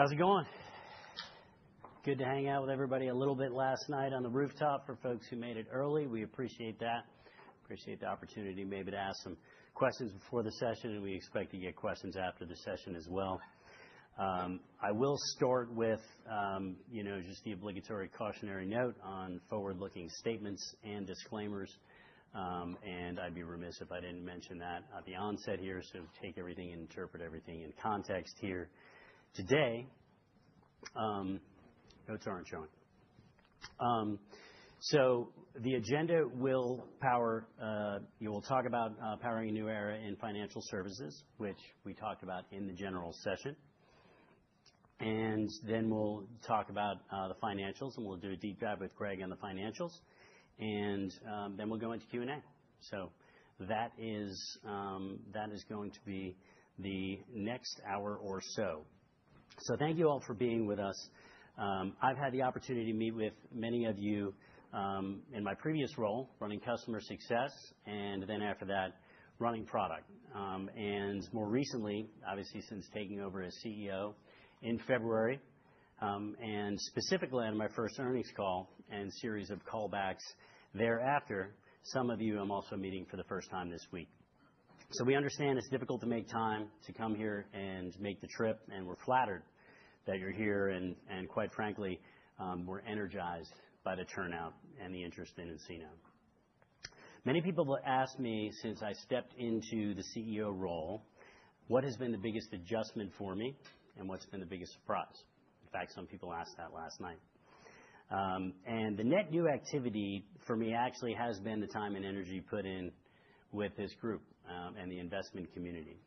How's it going? Good to hang out with everybody a little bit last night on the rooftop for folks who made it early. We appreciate that. Appreciate the opportunity maybe to ask some questions before the session, and we expect to get questions after the session as well. I will start with just the obligatory cautionary note on forward-looking statements and disclaimers, and I'd be remiss if I didn't mention that at the onset here to take everything and interpret everything in context here. Today, notes aren't showing. The agenda will power—we'll talk about powering a new era in financial services, which we talked about in the general session. Then we'll talk about the financials, and we'll do a deep dive with Greg on the financials. After that, we'll go into Q&A. That is going to be the next hour or so. Thank you all for being with us. I've had the opportunity to meet with many of you in my previous role, running customer success, and then after that, running product. More recently, obviously since taking over as CEO in February and specifically on my first earnings call and series of callbacks thereafter, some of you I'm also meeting for the first time this week. We understand it's difficult to make time to come here and make the trip, and we're flattered that you're here. Quite frankly, we're energized by the turnout and the interest in nCino. Many people have asked me since I stepped into the CEO role what has been the biggest adjustment for me and what's been the biggest surprise. In fact, some people asked that last night. The net new activity for me actually has been the time and energy put in with this group and the investment community.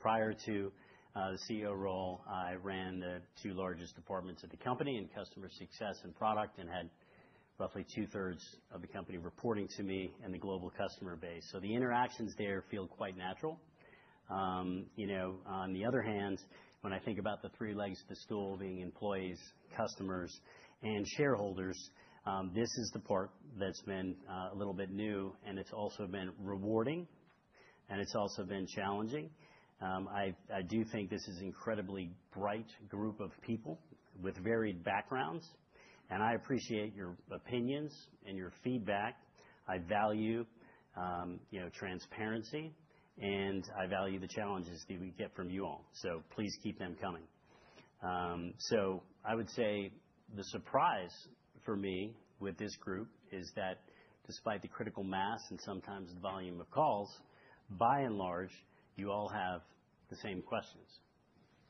Prior to the CEO role, I ran the two largest departments at the company in customer success and product and had roughly two-thirds of the company reporting to me and the global customer base. The interactions there feel quite natural. On the other hand, when I think about the three legs of the stool being employees, customers, and shareholders, this is the part that's been a little bit new, and it's also been rewarding, and it's also been challenging. I do think this is an incredibly bright group of people with varied backgrounds, and I appreciate your opinions and your feedback. I value transparency, and I value the challenges that we get from you all. Please keep them coming. I would say the surprise for me with this group is that despite the critical mass and sometimes the volume of calls, by and large, you all have the same questions,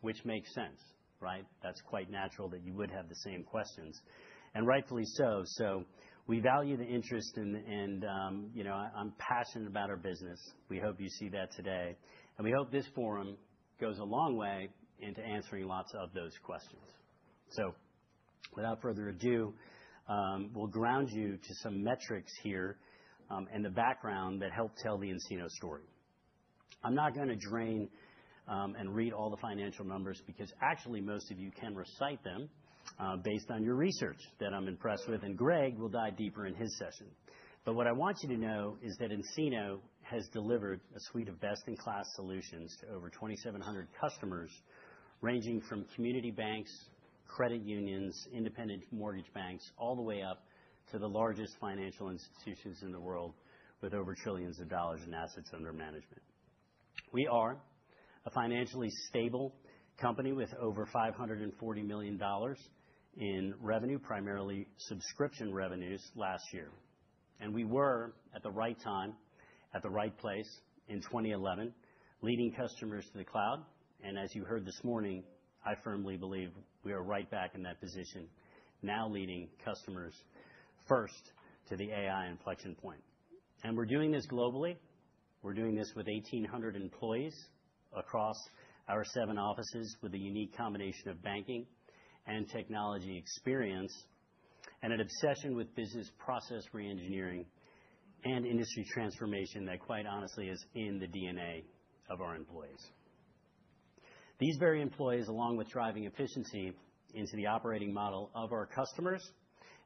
which makes sense, right? That's quite natural that you would have the same questions, and rightfully so. We value the interest, and I'm passionate about our business. We hope you see that today, and we hope this forum goes a long way into answering lots of those questions. Without further ado, we'll ground you to some metrics here and the background that helped tell the nCino story. I'm not going to drain and read all the financial numbers because actually most of you can recite them based on your research that I'm impressed with, and Greg will dive deeper in his session. What I want you to know is that nCino has delivered a suite of best-in-class solutions to over 2,700 customers ranging from community banks, credit unions, independent mortgage banks, all the way up to the largest financial institutions in the world with over trillions of dollars in assets under management. We are a financially stable company with over $540 million in revenue, primarily subscription revenues last year. We were at the right time at the right place in 2011, leading customers to the cloud. As you heard this morning, I firmly believe we are right back in that position, now leading customers first to the AI inflection point. We're doing this globally. We're doing this with 1,800 employees across our seven offices with a unique combination of banking and technology experience and an obsession with business process re-engineering and industry transformation that quite honestly is in the DNA of our employees. These very employees, along with driving efficiency into the operating model of our customers,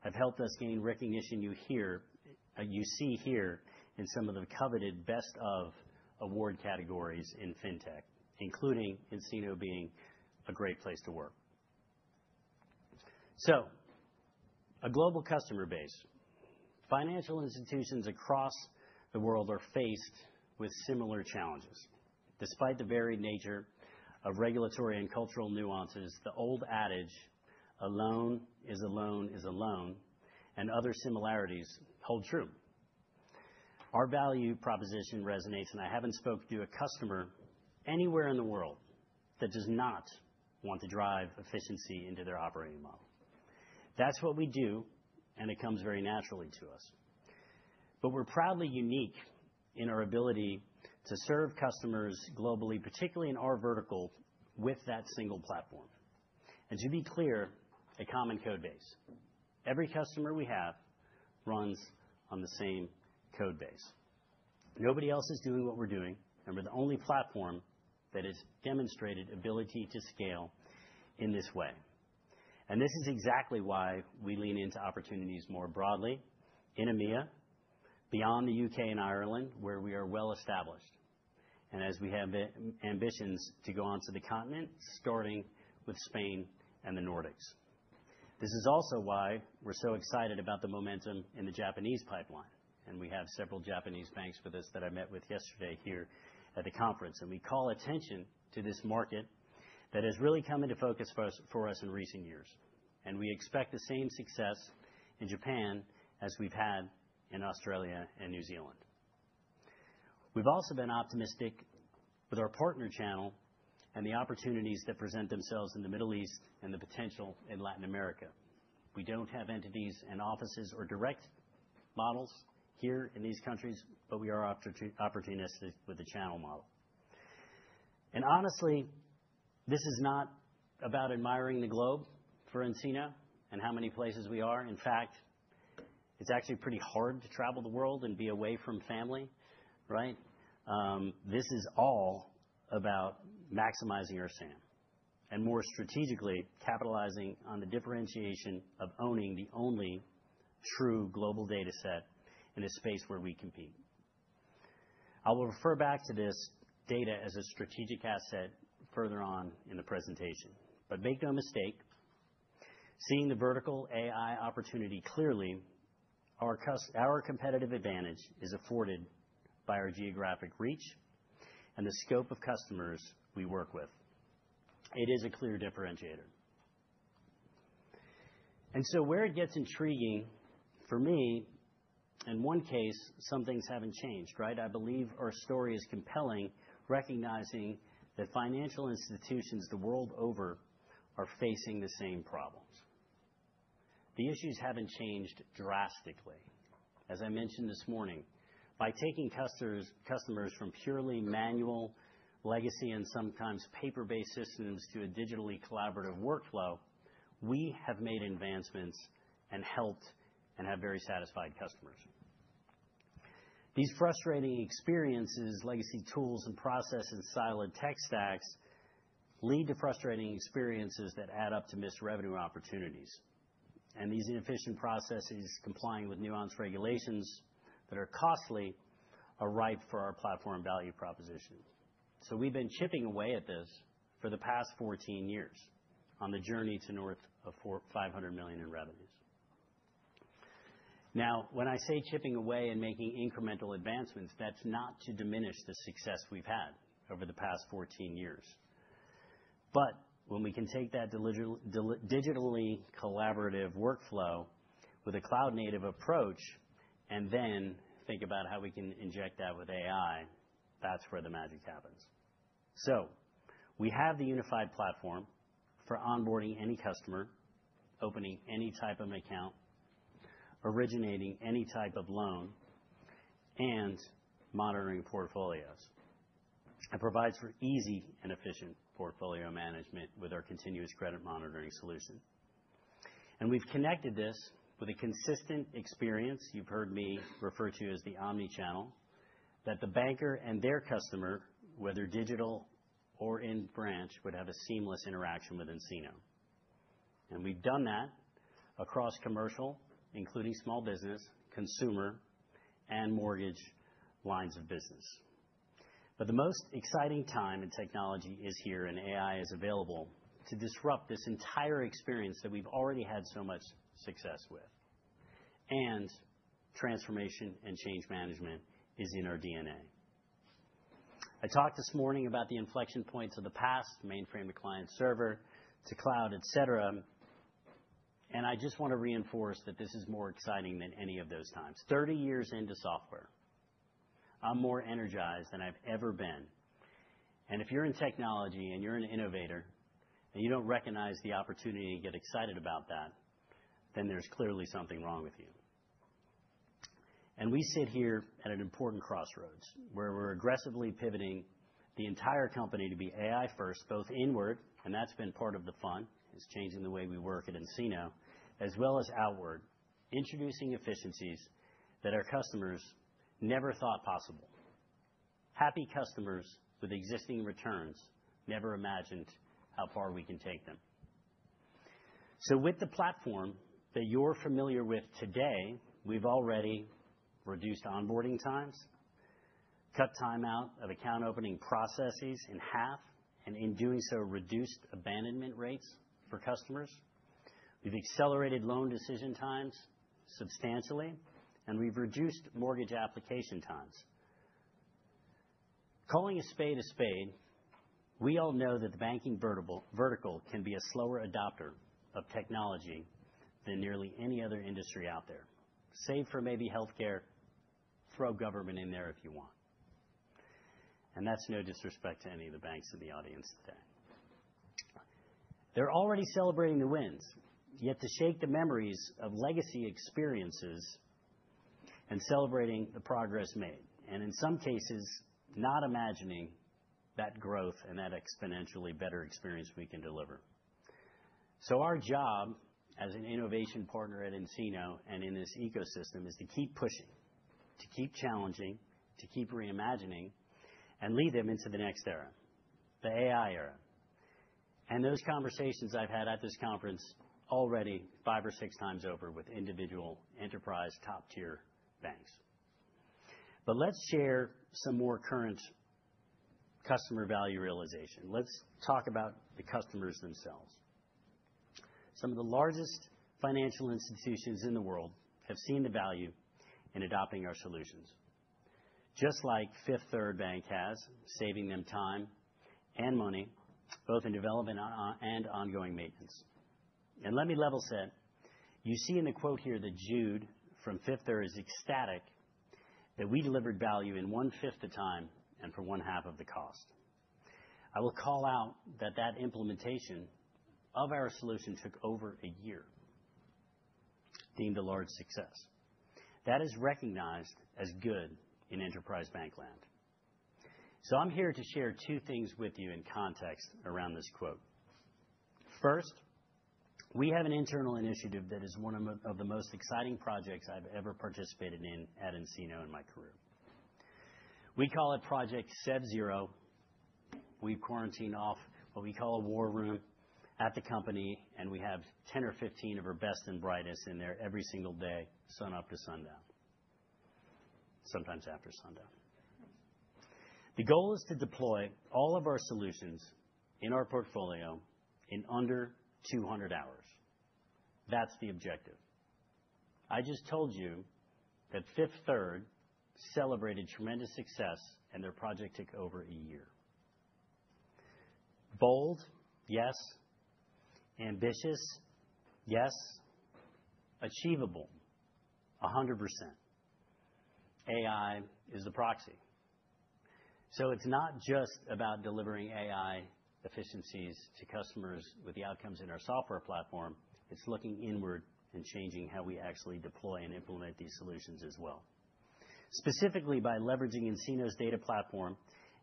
have helped us gain recognition you see here in some of the coveted best-of award categories in fintech, including nCino being a great place to work. A global customer base, financial institutions across the world are faced with similar challenges. Despite the varied nature of regulatory and cultural nuances, the old adage, "A loan is a loan is a loan," and other similarities hold true. Our value proposition resonates, and I haven't spoke to a customer anywhere in the world that does not want to drive efficiency into their operating model. That's what we do, and it comes very naturally to us. We're proudly unique in our ability to serve customers globally, particularly in our vertical, with that single platform. To be clear, a common code base. Every customer we have runs on the same code base. Nobody else is doing what we're doing, and we're the only platform that has demonstrated ability to scale in this way. This is exactly why we lean into opportunities more broadly in EMEA, beyond the U.K. and Ireland, where we are well established, and as we have ambitions to go on to the continent, starting with Spain and the Nordics. This is also why we're so excited about the momentum in the Japanese pipeline, and we have several Japanese banks with us that I met with yesterday here at the conference. We call attention to this market that has really come into focus for us in recent years, and we expect the same success in Japan as we've had in Australia and New Zealand. We've also been optimistic with our partner channel and the opportunities that present themselves in the Middle East and the potential in Latin America. We do not have entities and offices or direct models here in these countries, but we are opportunistic with the channel model. Honestly, this is not about admiring the globe for nCino and how many places we are. In fact, it's actually pretty hard to travel the world and be away from family, right? This is all about maximizing our SAM and more strategically capitalizing on the differentiation of owning the only true global data set in a space where we compete. I will refer back to this data as a strategic asset further on in the presentation. Make no mistake, seeing the vertical AI opportunity clearly, our competitive advantage is afforded by our geographic reach and the scope of customers we work with. It is a clear differentiator. Where it gets intriguing for me, in one case, some things have not changed, right? I believe our story is compelling, recognizing that financial institutions the world over are facing the same problems. The issues have not changed drastically. As I mentioned this morning, by taking customers from purely manual legacy and sometimes paper-based systems to a digitally collaborative workflow, we have made advancements and helped and have very satisfied customers. These frustrating experiences, legacy tools and process and silent tech stacks lead to frustrating experiences that add up to missed revenue opportunities. These inefficient processes, complying with nuanced regulations that are costly, are ripe for our platform value proposition. We've been chipping away at this for the past 14 years on the journey to north of $500 million in revenues. When I say chipping away and making incremental advancements, that's not to diminish the success we've had over the past 14 years. When we can take that digitally collaborative workflow with a cloud-native approach and then think about how we can inject that with AI, that's where the magic happens. We have the unified platform for onboarding any customer, opening any type of account, originating any type of loan, and monitoring portfolios. It provides for easy and efficient portfolio management with our Continuous Credit Monitoring Solution. We have connected this with a consistent experience you have heard me refer to as the omnichannel, that the banker and their customer, whether digital or in branch, would have a seamless interaction with nCino. We have done that across commercial, including small business, consumer, and mortgage lines of business. The most exciting time in technology is here and AI is available to disrupt this entire experience that we have already had so much success with. Transformation and change management is in our DNA. I talked this morning about the inflection points of the past, mainframe to client server to cloud, etc. I just want to reinforce that this is more exciting than any of those times. Thirty years into software, I am more energized than I have ever been. If you're in technology and you're an innovator and you don't recognize the opportunity and get excited about that, then there's clearly something wrong with you. We sit here at an important crossroads where we're aggressively pivoting the entire company to be AI-first, both inward, and that's been part of the fun, is changing the way we work at nCino, as well as outward, introducing efficiencies that our customers never thought possible. Happy customers with existing returns never imagined how far we can take them. With the platform that you're familiar with today, we've already reduced onboarding times, cut time out of account opening processes in half, and in doing so, reduced abandonment rates for customers. We've accelerated loan decision times substantially, and we've reduced mortgage application times. Calling a spade a spade, we all know that the banking vertical can be a slower adopter of technology than nearly any other industry out there, save for maybe healthcare, throw government in there if you want. That's no disrespect to any of the banks in the audience today. They're already celebrating the wins, yet to shake the memories of legacy experiences and celebrating the progress made, and in some cases, not imagining that growth and that exponentially better experience we can deliver. Our job as an innovation partner at nCino and in this ecosystem is to keep pushing, to keep challenging, to keep reimagining, and lead them into the next era, the AI era. Those conversations I've had at this conference already five or six times over with individual enterprise top-tier banks. Let's share some more current customer value realization. Let's talk about the customers themselves. Some of the largest financial institutions in the world have seen the value in adopting our solutions, just like Fifth Third Bank has, saving them time and money, both in development and ongoing maintenance. Let me level set. You see in the quote here that Jude from Fifth Third is ecstatic that we delivered value in one-fifth the time and for one-half of the cost. I will call out that that implementation of our solution took over a year, deemed a large success. That is recognized as good in enterprise bankland. I'm here to share two things with you in context around this quote. First, we have an internal initiative that is one of the most exciting projects I've ever participated in at nCino in my career. We call it Project SevZero. We've quarantined off what we call a war room at the company, and we have 10 or 15 of our best and brightest in there every single day, sun up to sundown, sometimes after sundown. The goal is to deploy all of our solutions in our portfolio in under 200 hours. That's the objective. I just told you that Fifth Third celebrated tremendous success, and their project took over a year. Bold, yes. Ambitious, yes. Achievable, 100%. AI is the proxy. It is not just about delivering AI efficiencies to customers with the outcomes in our software platform. It is looking inward and changing how we actually deploy and implement these solutions as well, specifically by leveraging nCino's data platform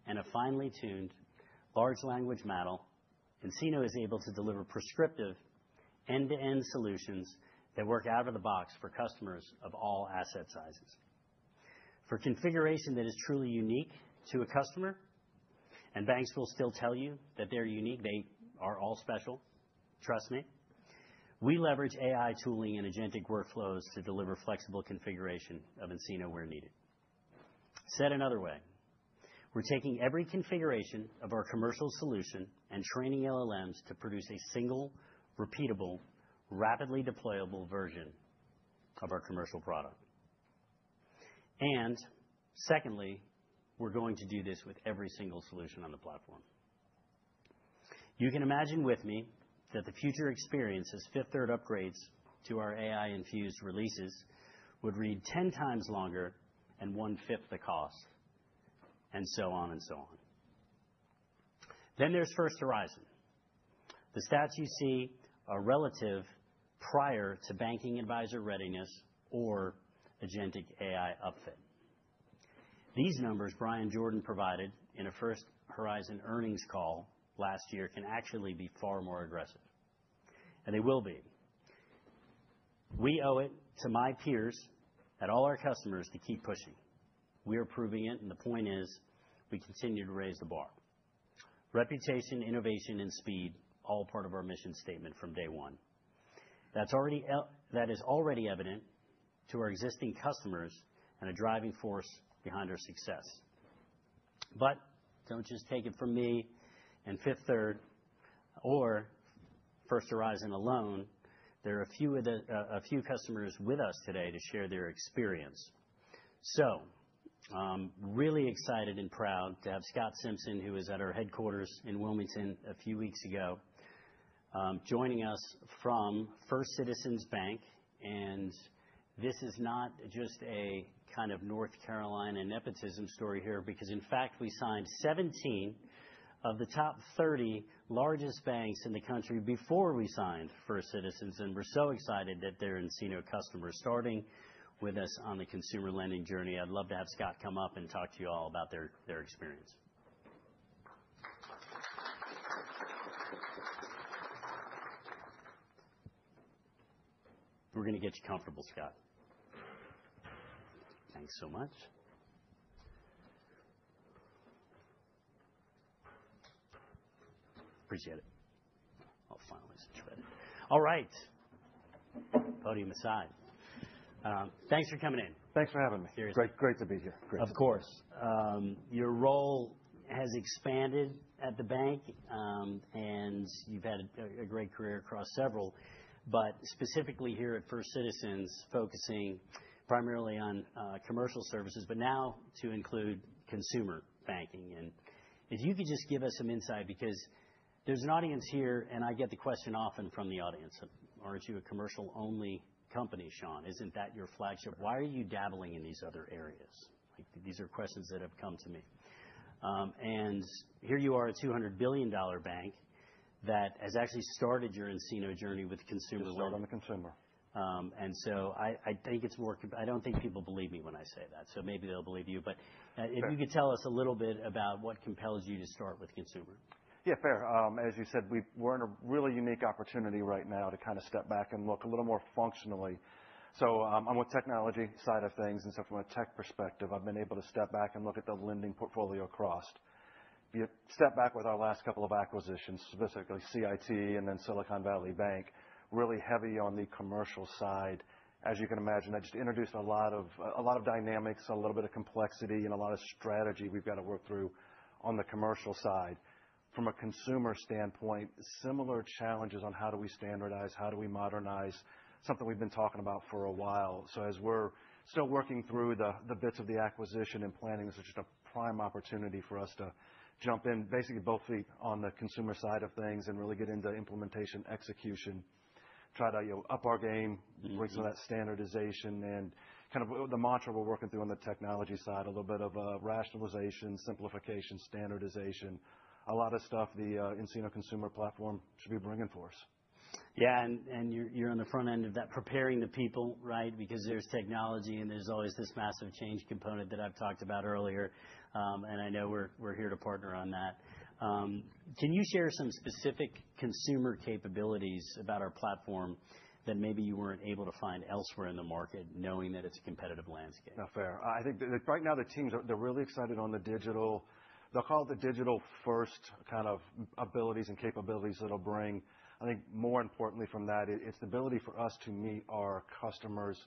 and a finely tuned large language model. nCino is able to deliver prescriptive end-to-end solutions that work out of the box for customers of all asset sizes. For configuration that is truly unique to a customer, and banks will still tell you that they're unique, they are all special, trust me. We leverage AI tooling and agentic workflows to deliver flexible configuration of nCino where needed. Said another way, we're taking every configuration of our commercial solution and training LLMs to produce a single, repeatable, rapidly deployable version of our commercial product. Secondly, we're going to do this with every single solution on the platform. You can imagine with me that the future experiences, Fifth Third upgrades to our AI-infused releases, would read 10 times longer and one-fifth the cost, and so on and so on. There is First Horizon. The stats you see are relative prior to Banking Advisor readiness or agentic AI upfit. These numbers Bryan Jordan provided in a First Horizon earnings call last year can actually be far more aggressive, and they will be. We owe it to my peers and all our customers to keep pushing. We are proving it, and the point is we continue to raise the bar. Reputation, innovation, and speed, all part of our mission statement from day one. That is already evident to our existing customers and a driving force behind our success. Do not just take it from me and Fifth Third or First Horizon alone. There are a few customers with us today to share their experience. Really excited and proud to have Scott Simpson, who was at our headquarters in Wilmington a few weeks ago, joining us from First Citizens Bank. This is not just a kind of North Carolina nepotism story here because, in fact, we signed 17 of the top 30 largest banks in the country before we signed First Citizens. We are so excited that they are nCino customers, starting with us on the consumer lending journey. I would love to have Scott come up and talk to you all about their experience. We are going to get you comfortable, Scott. Thanks so much. Appreciate it. I will finally switch about it. All right. Podium aside. Thanks for coming in. Thanks for having me. Seriously. Great to be here. Of course. Your role has expanded at the bank, and you have had a great career across several, but specifically here at First Citizens, focusing primarily on commercial services, but now to include consumer banking. If you could just give us some insight because there's an audience here, and I get the question often from the audience, "Aren't you a commercial-only company, Sean? Isn't that your flagship? Why are you dabbling in these other areas?" These are questions that have come to me. Here you are, a $200 billion bank that has actually started your nCino journey with consumer lending. We started on the consumer. I think it's more I don't think people believe me when I say that, so maybe they'll believe you. If you could tell us a little bit about what compels you to start with consumer. Yeah, fair. As you said, we're in a really unique opportunity right now to kind of step back and look a little more functionally. I'm on the technology side of things, and from a tech perspective, I've been able to step back and look at the lending portfolio across. If you step back with our last couple of acquisitions, specifically CIT and then Silicon Valley Bank, really heavy on the commercial side. As you can imagine, that just introduced a lot of dynamics, a little bit of complexity, and a lot of strategy we've got to work through on the commercial side. From a consumer standpoint, similar challenges on how do we standardize, how do we modernize, something we've been talking about for a while. As we're still working through the bits of the acquisition and planning, this is just a prime opportunity for us to jump in, basically both feet on the consumer side of things and really get into implementation, execution, try to up our game, bring some of that standardization, and kind of the mantra we're working through on the technology side, a little bit of rationalization, simplification, standardization, a lot of stuff the nCino Consumer Lending platform should be bringing for us. Yeah, and you're on the front end of that, preparing the people, right? Because there's technology and there's always this massive change component that I've talked about earlier, and I know we're here to partner on that. Can you share some specific consumer capabilities about our platform that maybe you weren't able to find elsewhere in the market, knowing that it's a competitive landscape? Fair. I think right now the teams, they're really excited on the digital. They'll call it the digital-first kind of abilities and capabilities that'll bring. I think more importantly from that, it's the ability for us to meet our customers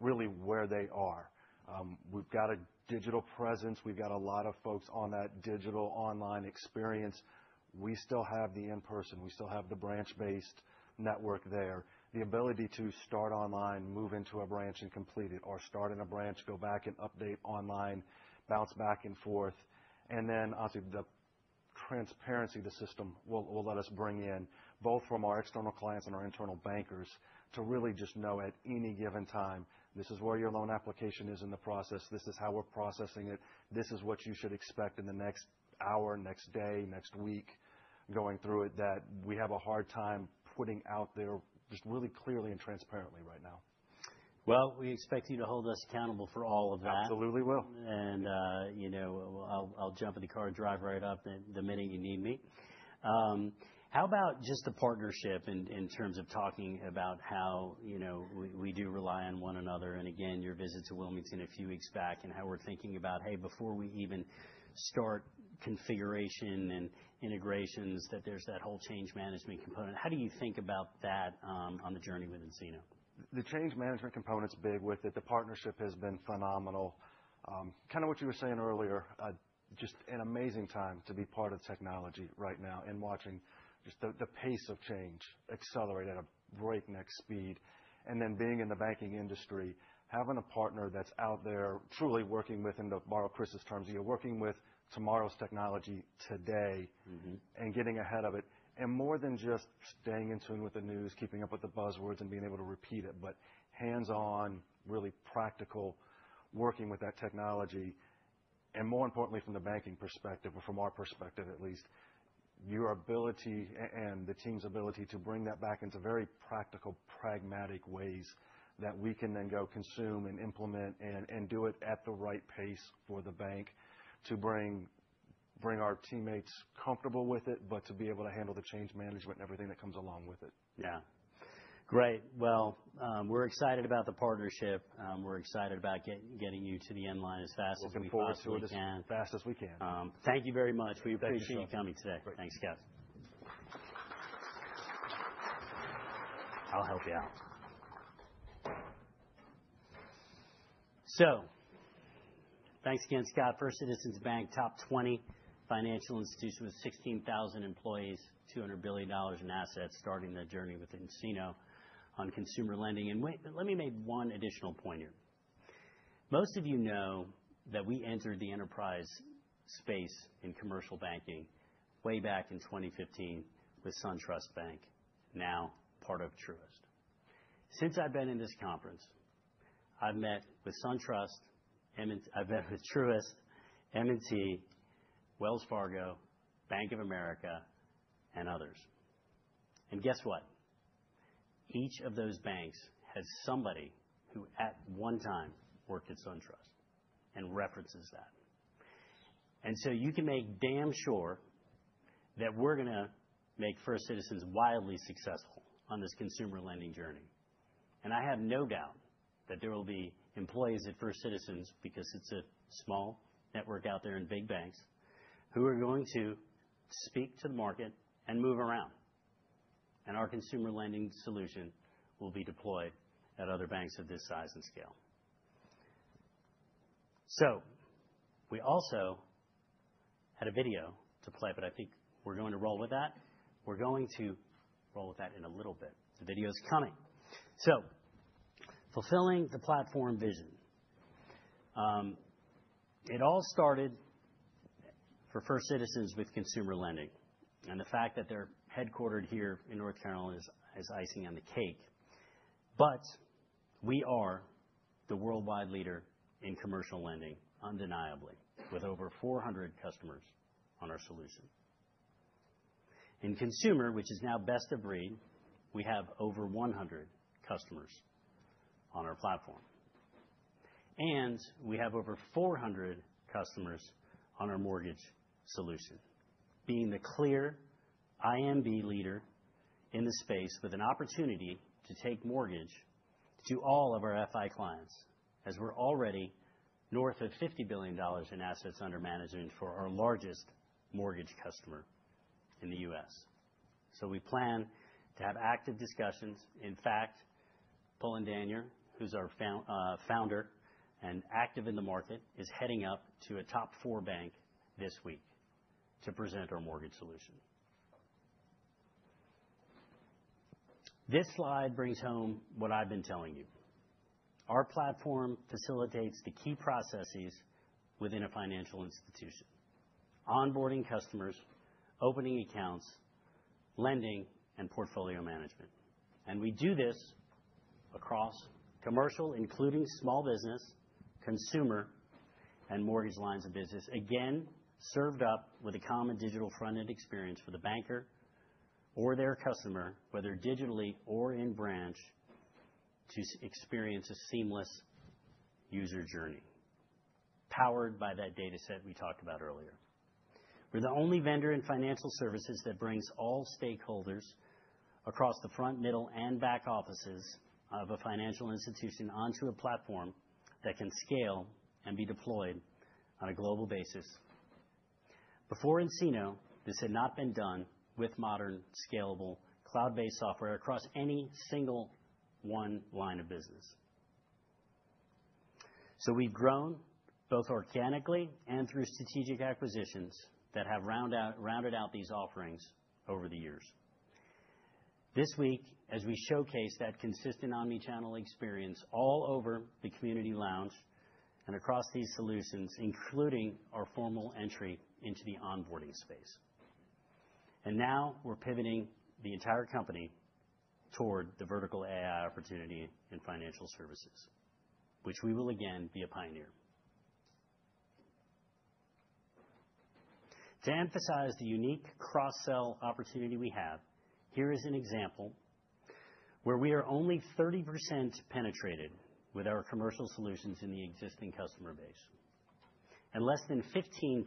really where they are. We've got a digital presence. We've got a lot of folks on that digital online experience. We still have the in-person. We still have the branch-based network there. The ability to start online, move into a branch and complete it, or start in a branch, go back and update online, bounce back and forth. Obviously, the transparency the system will let us bring in, both from our external clients and our internal bankers, to really just know at any given time, this is where your loan application is in the process, this is how we're processing it, this is what you should expect in the next hour, next day, next week going through it, that we have a hard time putting out there just really clearly and transparently right now. We expect you to hold us accountable for all of that. Absolutely will. I'll jump in the car and drive right up the minute you need me. How about just the partnership in terms of talking about how we do rely on one another? Your visit to Wilmington a few weeks back and how we're thinking about, hey, before we even start configuration and integrations, that there's that whole change management component. How do you think about that on the journey with nCino? The change management component's big with it. The partnership has been phenomenal. Kind of what you were saying earlier, just an amazing time to be part of technology right now and watching just the pace of change accelerate at a breakneck speed. Being in the banking industry, having a partner that's out there truly working with, in the borrower Chris's terms, you're working with tomorrow's technology today and getting ahead of it. More than just staying in tune with the news, keeping up with the buzzwords and being able to repeat it, but hands-on, really practical working with that technology. More importantly, from the banking perspective, or from our perspective at least, your ability and the team's ability to bring that back into very practical, pragmatic ways that we can then go consume and implement and do it at the right pace for the bank to bring our teammates comfortable with it, but to be able to handle the change management and everything that comes along with it. Great. We're excited about the partnership. We're excited about getting you to the end line as fast as we possibly can. We're looking forward to it as fast as we can. Thank you very much. We appreciate you coming today. Thanks, Scott. I'll help you out. Thanks again, Scott. First Citizens Bank, top 20 financial institution with 16,000 employees, $200 billion in assets starting the journey with nCino on consumer lending. Let me make one additional point here. Most of you know that we entered the enterprise space in commercial banking way back in 2015 with SunTrust Bank, now part of Truist. Since I've been in this conference, I've met with SunTrust, I've met with Truist, M&T, Wells Fargo, Bank of America, and others. Guess what? Each of those banks has somebody who at one time worked at SunTrust and references that. You can make damn sure that we're going to make First Citizens wildly successful on this consumer lending journey. I have no doubt that there will be employees at First Citizens, because it's a small network out there in big banks, who are going to speak to the market and move around. Our consumer lending solution will be deployed at other banks of this size and scale. We also had a video to play, but I think we're going to roll with that. We're going to roll with that in a little bit. The video's coming. Fulfilling the platform vision, it all started for First Citizens with consumer lending and the fact that they're headquartered here in North Carolina is icing on the cake. We are the worldwide leader in commercial lending, undeniably, with over 400 customers on our solution. In consumer, which is now best of breed, we have over 100 customers on our platform. We have over 400 customers on our Mortgage Solution, being the clear IMB leader in the space with an opportunity to take mortgage to all of our FI clients, as we're already north of $50 billion in assets under management for our largest mortgage customer in the U.S. We plan to have active discussions. In fact, Paul and Daniel, who's our founder and active in the market, is heading up to a top four bank this week to present our Mortgage Solution. This slide brings home what I've been telling you. Our platform facilitates the key processes within a financial institution: onboarding customers, opening accounts, lending, and portfolio management. We do this across commercial, including small business, consumer, and mortgage lines of business, again, served up with a common digital front-end experience for the banker or their customer, whether digitally or in branch, to experience a seamless user journey, powered by that data set we talked about earlier. We're the only vendor in financial services that brings all stakeholders across the front, middle, and back offices of a financial institution onto a platform that can scale and be deployed on a global basis. Before nCino, this had not been done with modern, scalable, cloud-based software across any single one line of business. We have grown both organically and through strategic acquisitions that have rounded out these offerings over the years. This week, as we showcase that consistent omnichannel experience all over the community lounge and across these solutions, including our formal entry into the Onboarding space. Now we are pivoting the entire company toward the vertical AI opportunity in financial services, which we will again be a pioneer. To emphasize the unique cross-sell opportunity we have, here is an example where we are only 30% penetrated with our commercial solutions in the existing customer base and less than 15%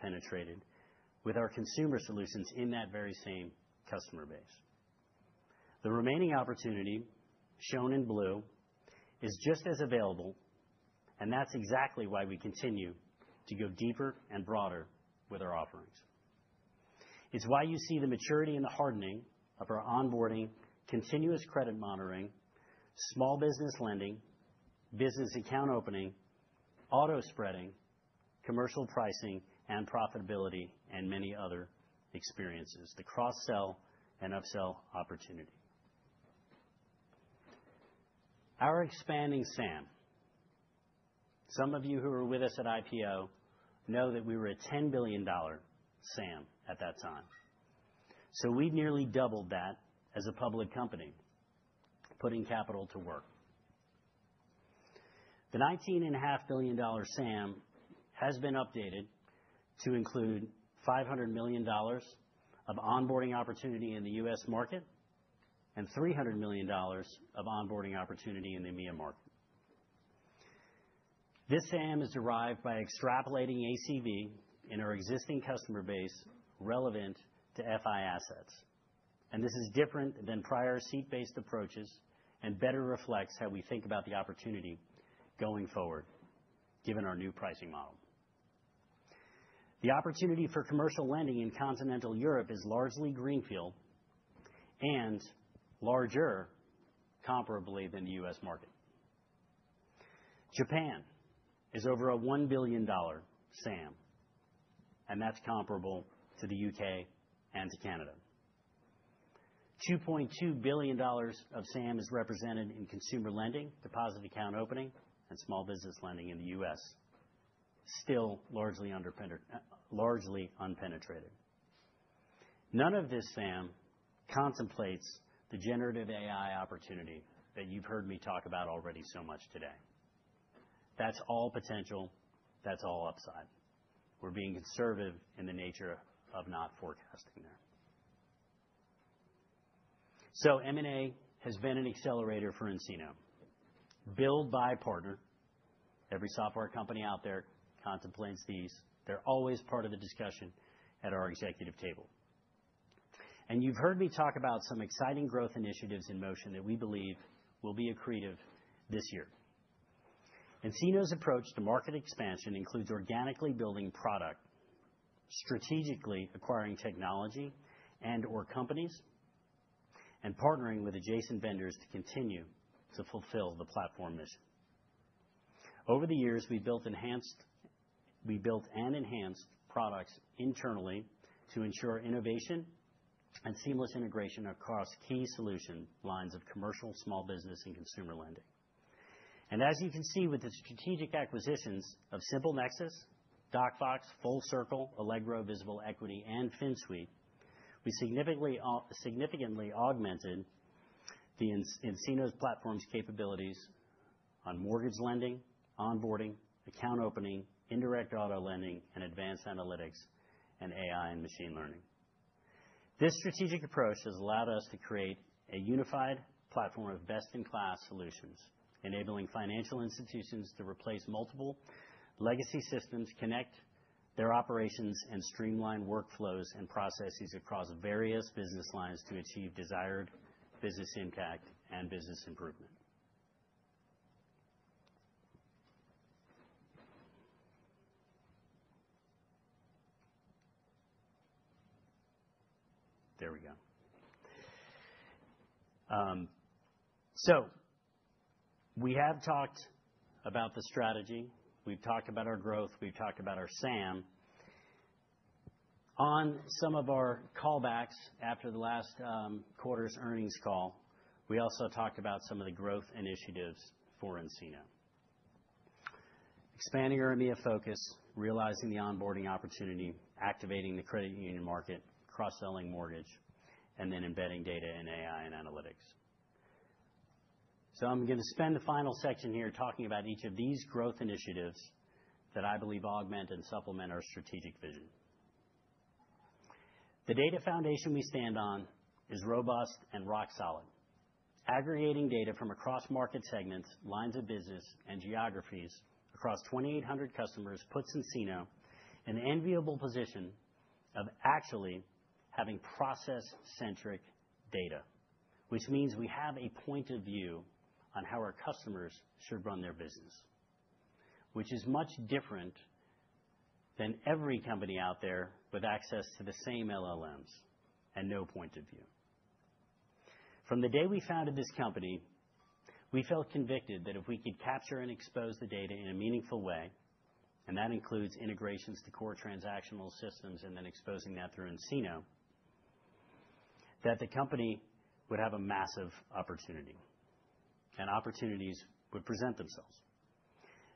penetrated with our consumer solutions in that very same customer base. The remaining opportunity, shown in blue, is just as available, and that's exactly why we continue to go deeper and broader with our offerings. It's why you see the maturity and the hardening of our Onboarding, Continuous Credit Monitoring, Small Business Lending, Business Account Opening, Auto Spreading, Commercial Pricing and Profitability, and many other experiences, the cross-sell and upsell opportunity. Our expanding SAM. Some of you who are with us at IPO know that we were a $10 billion SAM at that time. So we nearly doubled that as a public company, putting capital to work. The $19.5 billion SAM has been updated to include $500 million of Onboarding opportunity in the U.S. market and $300 million of Onboarding opportunity in the EMEA market. This SAM is derived by extrapolating ACV in our existing customer base relevant to FI assets. This is different than prior seat-based approaches and better reflects how we think about the opportunity going forward, given our new pricing model. The opportunity for commercial lending in continental Europe is largely greenfield and larger, comparably, than the U.S. market. Japan is over a $1 billion SAM, and that's comparable to the U.K. and to Canada. $2.2 billion of SAM is represented in Consumer Lending, Deposit Account Opening, and Small Business Lending in the U.S., still largely unpenetrated. None of this SAM contemplates the generative AI opportunity that you've heard me talk about already so much today. That's all potential. That's all upside. We're being conservative in the nature of not forecasting there. M&A has been an accelerator for nCino. Build by partner. Every software company out there contemplates these. They're always part of the discussion at our executive table. You have heard me talk about some exciting growth initiatives in motion that we believe will be accretive this year. nCino's approach to market expansion includes organically building product, strategically acquiring technology and/or companies, and partnering with adjacent vendors to continue to fulfill the platform mission. Over the years, we built and enhanced products internally to ensure innovation and seamless integration across key solution lines of commercial, small business, and consumer lending. As you can see with the strategic acquisitions of SimpleNexus, DocFox, FullCircl, Allegro, Visible Equity, and FinSuite, we significantly augmented nCino's platform's capabilities on mortgage lending, onboarding, account opening, indirect auto lending, and advanced analytics and AI and machine learning. This strategic approach has allowed us to create a unified platform of best-in-class solutions, enabling financial institutions to replace multiple legacy systems, connect their operations, and streamline workflows and processes across various business lines to achieve desired business impact and business improvement. There we go. We have talked about the strategy. We have talked about our growth. We have talked about our SAM. On some of our callbacks after the last quarter's earnings call, we also talked about some of the growth initiatives for nCino: expanding our EMEA focus, realizing the onboarding opportunity, activating the credit union market, cross-selling mortgage, and then embedding data in AI and analytics. I am going to spend the final section here talking about each of these growth initiatives that I believe augment and supplement our strategic vision. The data foundation we stand on is robust and rock solid. Aggregating data from across market segments, lines of business, and geographies across 2,800 customers puts nCino in the enviable position of actually having process-centric data, which means we have a point of view on how our customers should run their business, which is much different than every company out there with access to the same LLMs and no point of view. From the day we founded this company, we felt convicted that if we could capture and expose the data in a meaningful way, and that includes integrations to core transactional systems and then exposing that through nCino, that the company would have a massive opportunity, and opportunities would present themselves.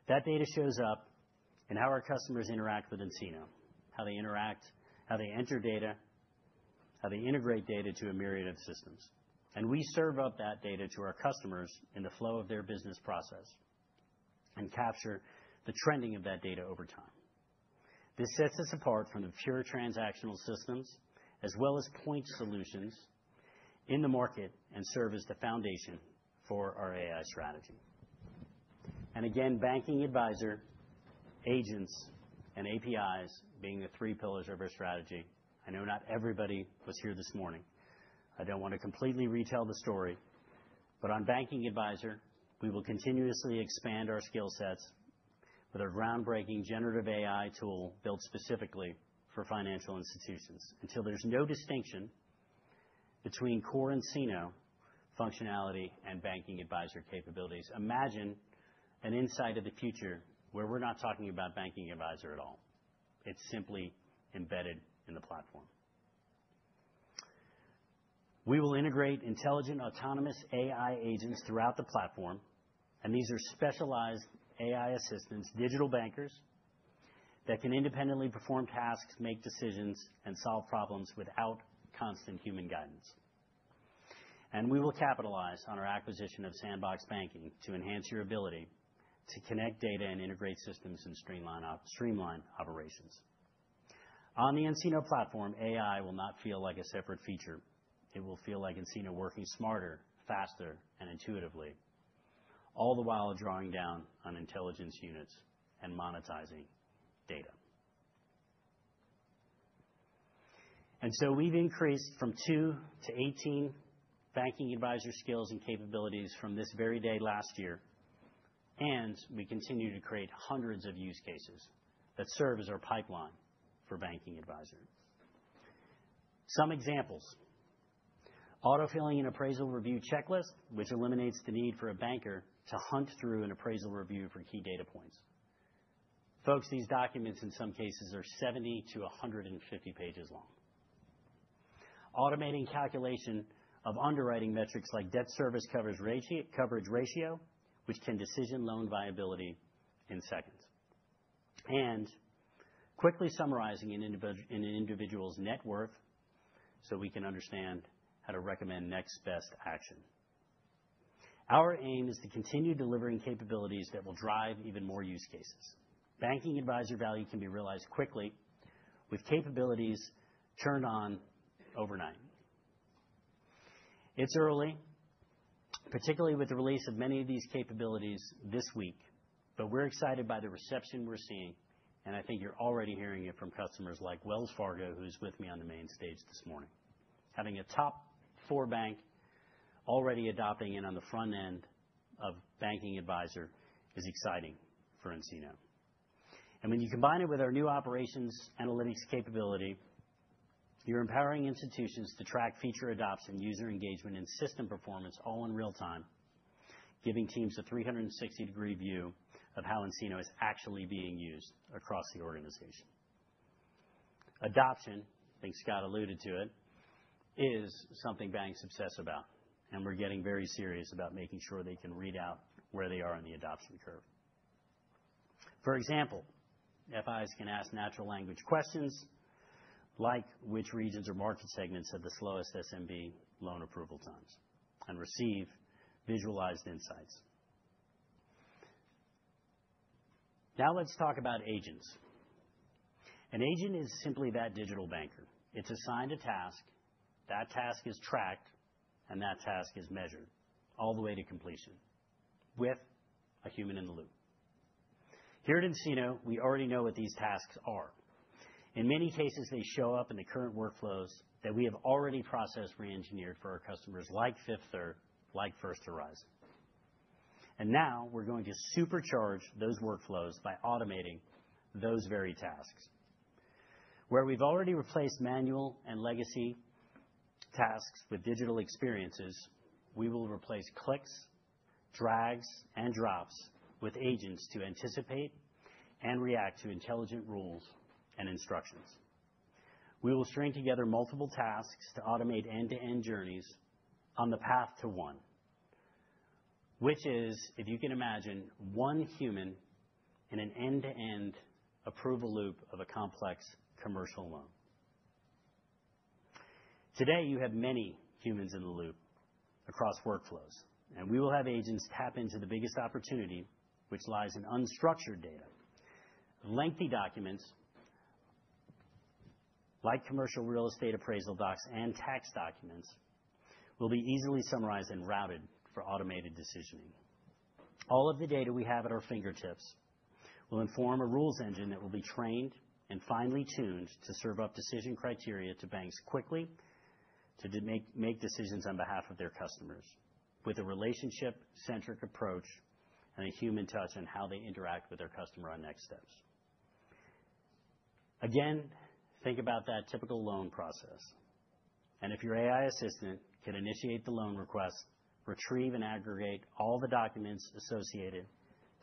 That data shows up in how our customers interact with nCino, how they interact, how they enter data, how they integrate data to a myriad of systems. We serve up that data to our customers in the flow of their business process and capture the trending of that data over time. This sets us apart from the pure transactional systems as well as point solutions in the market and serves as the foundation for our AI strategy. Banking Advisor, agents, and APIs are the three pillars of our strategy. I know not everybody was here this morning. I do not want to completely retell the story. On Banking Advisor, we will continuously expand our skill sets with a groundbreaking generative AI tool built specifically for financial institutions. Until there is no distinction between core nCino functionality and Banking Advisor capabilities, imagine an insight of the future where we are not talking about Banking Advisor at all. It is simply embedded in the platform. We will integrate intelligent, autonomous AI agents throughout the platform, and these are specialized AI assistants, digital bankers that can independently perform tasks, make decisions, and solve problems without constant human guidance. We will capitalize on our acquisition of Sandbox Banking to enhance your ability to connect data and integrate systems and streamline operations. On the nCino platform, AI will not feel like a separate feature. It will feel like nCino working smarter, faster, and intuitively, all the while drawing down on intelligence units and monetizing data. We have increased from 2-18 Banking Advisor skills and capabilities from this very day last year, and we continue to create hundreds of use cases that serve as our pipeline for Banking Advisor. Some examples: autofilling an appraisal review checklist, which eliminates the need for a banker to hunt through an appraisal review for key data points. Folks, these documents in some cases are 70-150 pages long. Automating calculation of underwriting metrics like debt service coverage ratio, which can decision loan viability in seconds. Quickly summarizing an individual's net worth so we can understand how to recommend next best action. Our aim is to continue delivering capabilities that will drive even more use cases. Banking Advisor value can be realized quickly with capabilities turned on overnight. It's early, particularly with the release of many of these capabilities this week, but we're excited by the reception we're seeing, and I think you're already hearing it from customers like Wells Fargo, who's with me on the main stage this morning. Having a top four bank already adopting and on the front end of Banking Advisor is exciting for nCino. When you combine it with our new Operations Analytics capability, you are empowering institutions to track feature adoption, user engagement, and system performance, all in real time, giving teams a 360-degree view of how nCino is actually being used across the organization. Adoption, I think Scott alluded to it, is something banks obsess about, and we are getting very serious about making sure they can read out where they are on the adoption curve. For example, FIs can ask natural language questions like which regions or market segments have the slowest SMB loan approval times and receive visualized insights. Now let's talk about agents. An agent is simply that digital banker. It is assigned a task. That task is tracked, and that task is measured all the way to completion with a human in the loop. Here at nCino, we already know what these tasks are. In many cases, they show up in the current workflows that we have already processed or engineered for our customers like Fifth Third, like First Horizon. Now we're going to supercharge those workflows by automating those very tasks. Where we've already replaced manual and legacy tasks with digital experiences, we will replace clicks, drags, and drops with agents to anticipate and react to intelligent rules and instructions. We will string together multiple tasks to automate end-to-end journeys on the path to one, which is, if you can imagine, one human in an end-to-end approval loop of a complex commercial loan. Today, you have many humans in the loop across workflows, and we will have agents tap into the biggest opportunity, which lies in unstructured data. Lengthy documents like commercial real estate appraisal docs and tax documents will be easily summarized and routed for automated decisioning. All of the data we have at our fingertips will inform a rules engine that will be trained and finely tuned to serve up decision criteria to banks quickly to make decisions on behalf of their customers with a relationship-centric approach and a human touch on how they interact with their customer on next steps. Again, think about that typical loan process. If your AI assistant can initiate the loan request, retrieve and aggregate all the documents associated,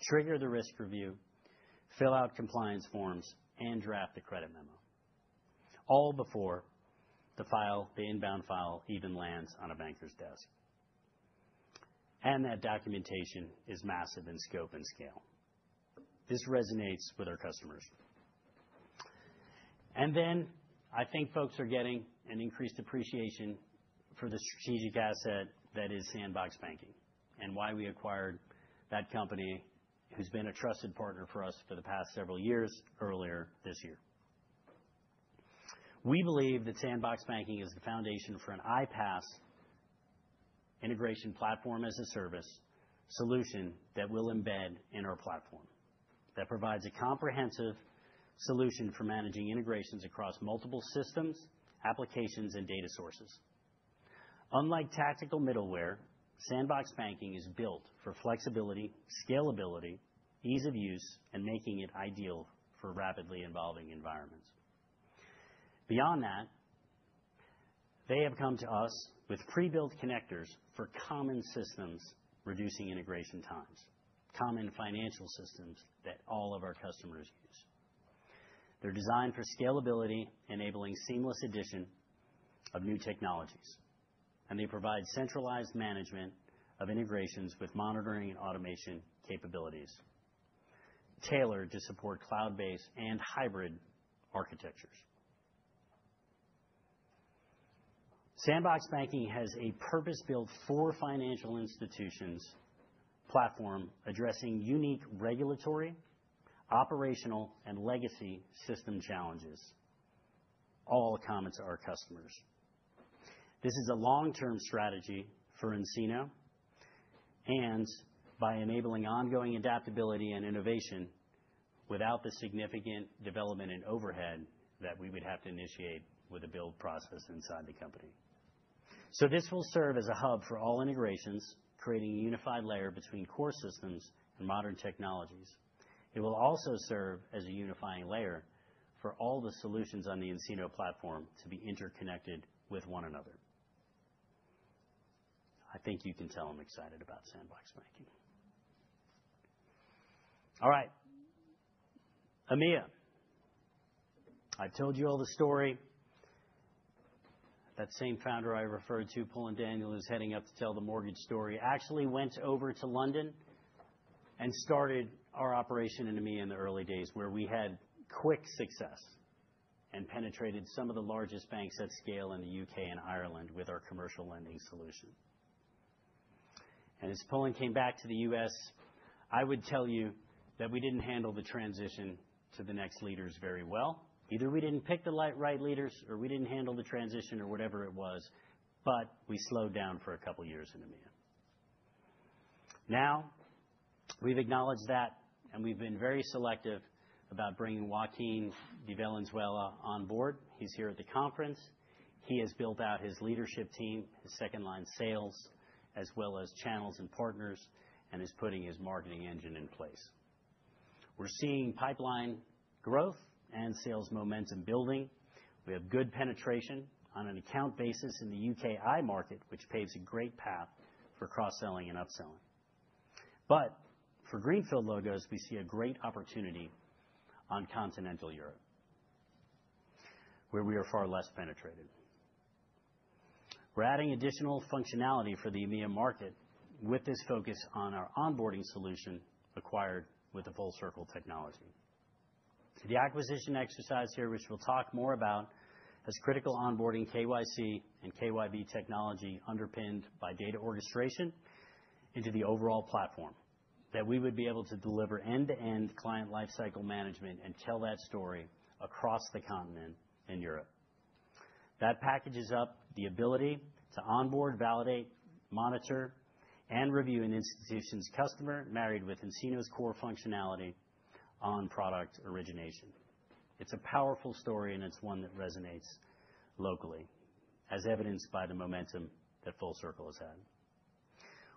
trigger the risk review, fill out compliance forms, and draft the credit memo, all before the inbound file even lands on a banker's desk. That documentation is massive in scope and scale. This resonates with our customers. I think folks are getting an increased appreciation for the strategic asset that is Sandbox Banking and why we acquired that company who's been a trusted partner for us for the past several years earlier this year. We believe that Sandbox Banking is the foundation for an iPaaS integration platform as a service solution that will embed in our platform that provides a comprehensive solution for managing integrations across multiple systems, applications, and data sources. Unlike tactical middleware, Sandbox Banking is built for flexibility, scalability, ease of use, and making it ideal for rapidly evolving environments. Beyond that, they have come to us with pre-built connectors for common systems, reducing integration times, common financial systems that all of our customers use. They're designed for scalability, enabling seamless addition of new technologies, and they provide centralized management of integrations with monitoring and automation capabilities tailored to support cloud-based and hybrid architectures. Sandbox Banking has a purpose-built for financial institutions platform addressing unique regulatory, operational, and legacy system challenges, all common to our customers. This is a long-term strategy for nCino and by enabling ongoing adaptability and innovation without the significant development and overhead that we would have to initiate with a build process inside the company. This will serve as a hub for all integrations, creating a unified layer between core systems and modern technologies. It will also serve as a unifying layer for all the solutions on the nCino platform to be interconnected with one another. I think you can tell I'm excited about Sandbox Banking. All right. EMEA, I told you all the story. That same founder I referred to, Paul and Daniel, who's heading up to tell the mortgage story, actually went over to London and started our operation in EMEA in the early days where we had quick success and penetrated some of the largest banks at scale in the U.K. and Ireland with our Commercial Lending solution. As Paul and came back to the U.S., I would tell you that we didn't handle the transition to the next leaders very well. Either we didn't pick the right leaders or we didn't handle the transition or whatever it was, but we slowed down for a couple of years in EMEA. Now we've acknowledged that, and we've been very selective about bringing Joaquin de Valenzuela on board. He's here at the conference. He has built out his leadership team, his second-line sales, as well as channels and partners, and is putting his marketing engine in place. We're seeing pipeline growth and sales momentum building. We have good penetration on an account basis in the U.K. and Ireland market, which paves a great path for cross-selling and upselling. For Greenfield logos, we see a great opportunity on continental Europe, where we are far less penetrated. We're adding additional functionality for the EMEA market with this focus on our Onboarding solution acquired with the FullCircl technology. The acquisition exercise here, which we'll talk more about, has critical Onboarding KYC and KYB technology underpinned by data orchestration into the overall platform that we would be able to deliver end-to-end client lifecycle management and tell that story across the continent in Europe. That packages up the ability to onboard, validate, monitor, and review an institution's customer married with nCino's core functionality on product origination. It's a powerful story, and it's one that resonates locally, as evidenced by the momentum that FullCircl has had.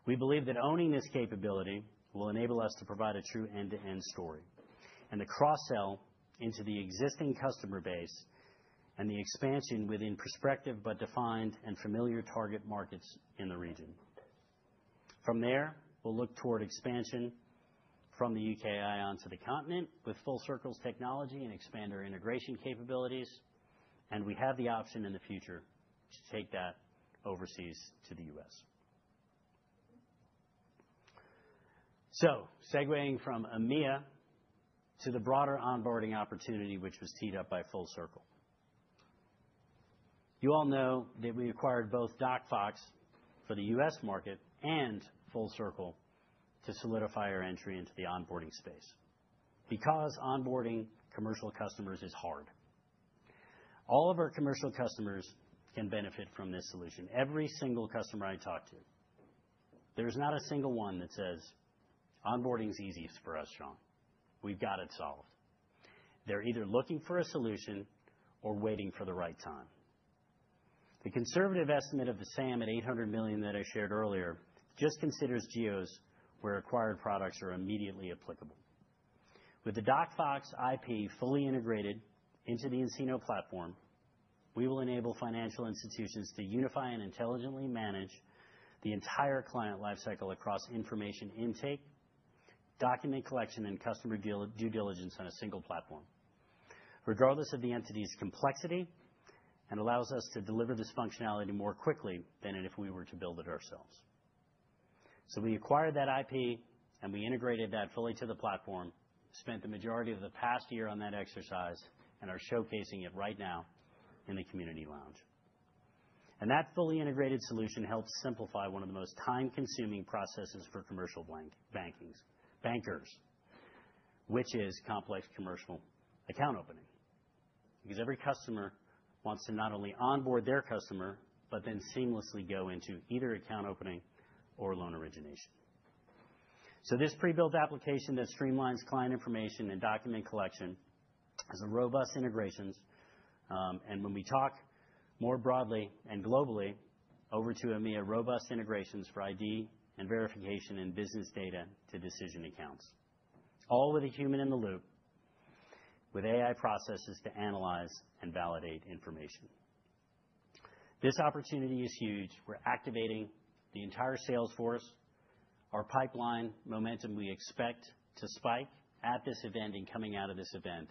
We believe that owning this capability will enable us to provide a true end-to-end story and the cross-sell into the existing customer base and the expansion within prospective but defined and familiar target markets in the region. From there, we'll look toward expansion from the U.K. and Ireland onto the continent with FullCircl's technology and expand our integration capabilities, and we have the option in the future to take that overseas to the U.S. Segueing from EMEA to the broader Onboarding opportunity, which was teed up by FullCircl. You all know that we acquired both DocFox for the U.S. market and FullCircl to solidify our entry into the onboarding space because onboarding commercial customers is hard. All of our commercial customers can benefit from this solution. Every single customer I talk to, there's not a single one that says, "Onboarding is easy for us, Sean. We've got it solved." They're either looking for a solution or waiting for the right time. The conservative estimate of the SAM at $800 million that I shared earlier just considers GOs where acquired products are immediately applicable. With the DocFox IP fully integrated into the nCino platform, we will enable financial institutions to unify and intelligently manage the entire client lifecycle across information intake, document collection, and customer due diligence on a single platform, regardless of the entity's complexity, and allows us to deliver this functionality more quickly than if we were to build it ourselves. We acquired that IP, and we integrated that fully to the platform, spent the majority of the past year on that exercise, and are showcasing it right now in the community lounge. That fully integrated solution helps simplify one of the most time-consuming processes for commercial bankers, which is complex commercial account opening, because every customer wants to not only onboard their customer, but then seamlessly go into either account opening or loan origination. This pre-built application that streamlines client information and document collection has robust integrations. When we talk more broadly and globally over to EMEA, robust integrations for ID and verification and business data to decision accounts, all with a human in the loop with AI processes to analyze and validate information. This opportunity is huge. We're activating the entire sales force, our pipeline momentum. We expect to spike at this event and coming out of this event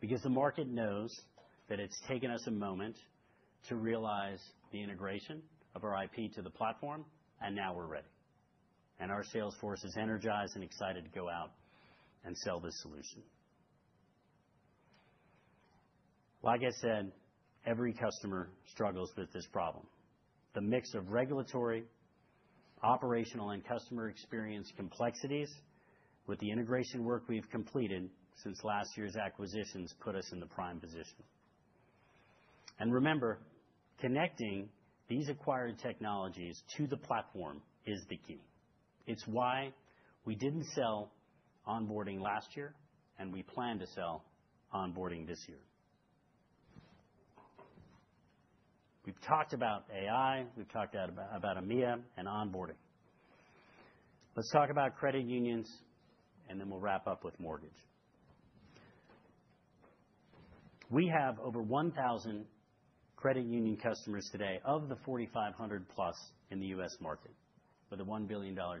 because the market knows that it's taken us a moment to realize the integration of our IP to the platform, and now we're ready. Our sales force is energized and excited to go out and sell this solution. Like I said, every customer struggles with this problem. The mix of regulatory, operational, and customer experience complexities with the integration work we've completed since last year's acquisitions put us in the prime position. Remember, connecting these acquired technologies to the platform is the key. It's why we didn't sell Onboarding last year, and we plan to sell Onboarding this year. We've talked about AI. We've talked about EMEA and Onboarding. Let's talk about credit unions, and then we'll wrap up with mortgage. We have over 1,000 credit union customers today of the 4,500 plus in the U.S. market with a $1 billion TAM.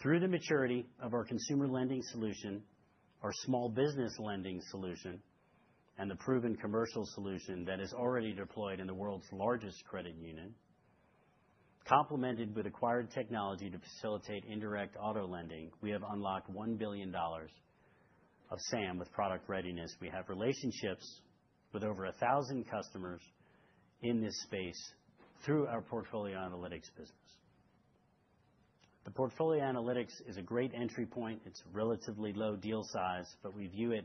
Through the maturity of our Consumer Lending solution, our Small Business Lending solution, and the proven Commercial Lending solution that is already deployed in the world's largest credit union, complemented with acquired technology to facilitate indirect auto lending, we have unlocked $1 billion of SAM with product readiness. We have relationships with over 1,000 customers in this space through our Portfolio Analytics business. The Portfolio Analytics is a great entry point. It's relatively low deal size, but we view it as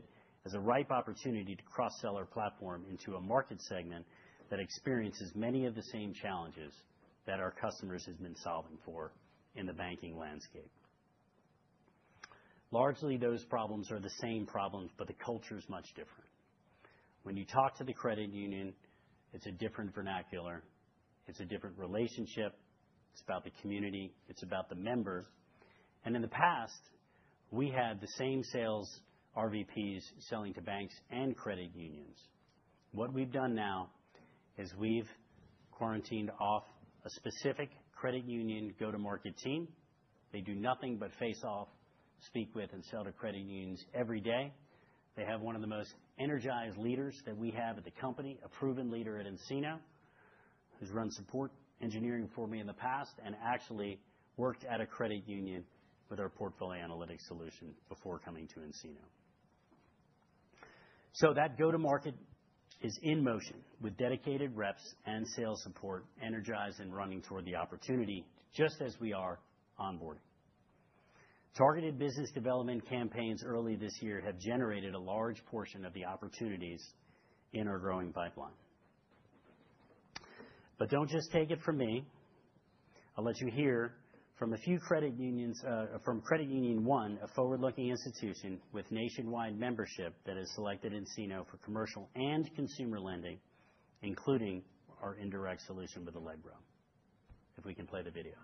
a ripe opportunity to cross-sell our platform into a market segment that experiences many of the same challenges that our customers have been solving for in the banking landscape. Largely, those problems are the same problems, but the culture is much different. When you talk to the credit union, it's a different vernacular. It's a different relationship. It's about the community. It's about the members. In the past, we had the same sales RVPs selling to banks and credit unions. What we've done now is we've quarantined off a specific credit union go-to-market team. They do nothing but face off, speak with, and sell to credit unions every day. They have one of the most energized leaders that we have at the company, a proven leader at nCino, who's run support engineering for me in the past and actually worked at a credit union with our Portfolio Analytics solution before coming to nCino. That go-to-market is in motion with dedicated reps and sales support, energized and running toward the opportunity, just as we are Onboarding. Targeted business development campaigns early this year have generated a large portion of the opportunities in our growing pipeline. Do not just take it from me. I'll let you hear from a few credit unions from Credit Union One, a forward-looking institution with nationwide membership that has selected nCino for Commercial and Consumer Lending, including our indirect solution with Allegro. If we can play the video.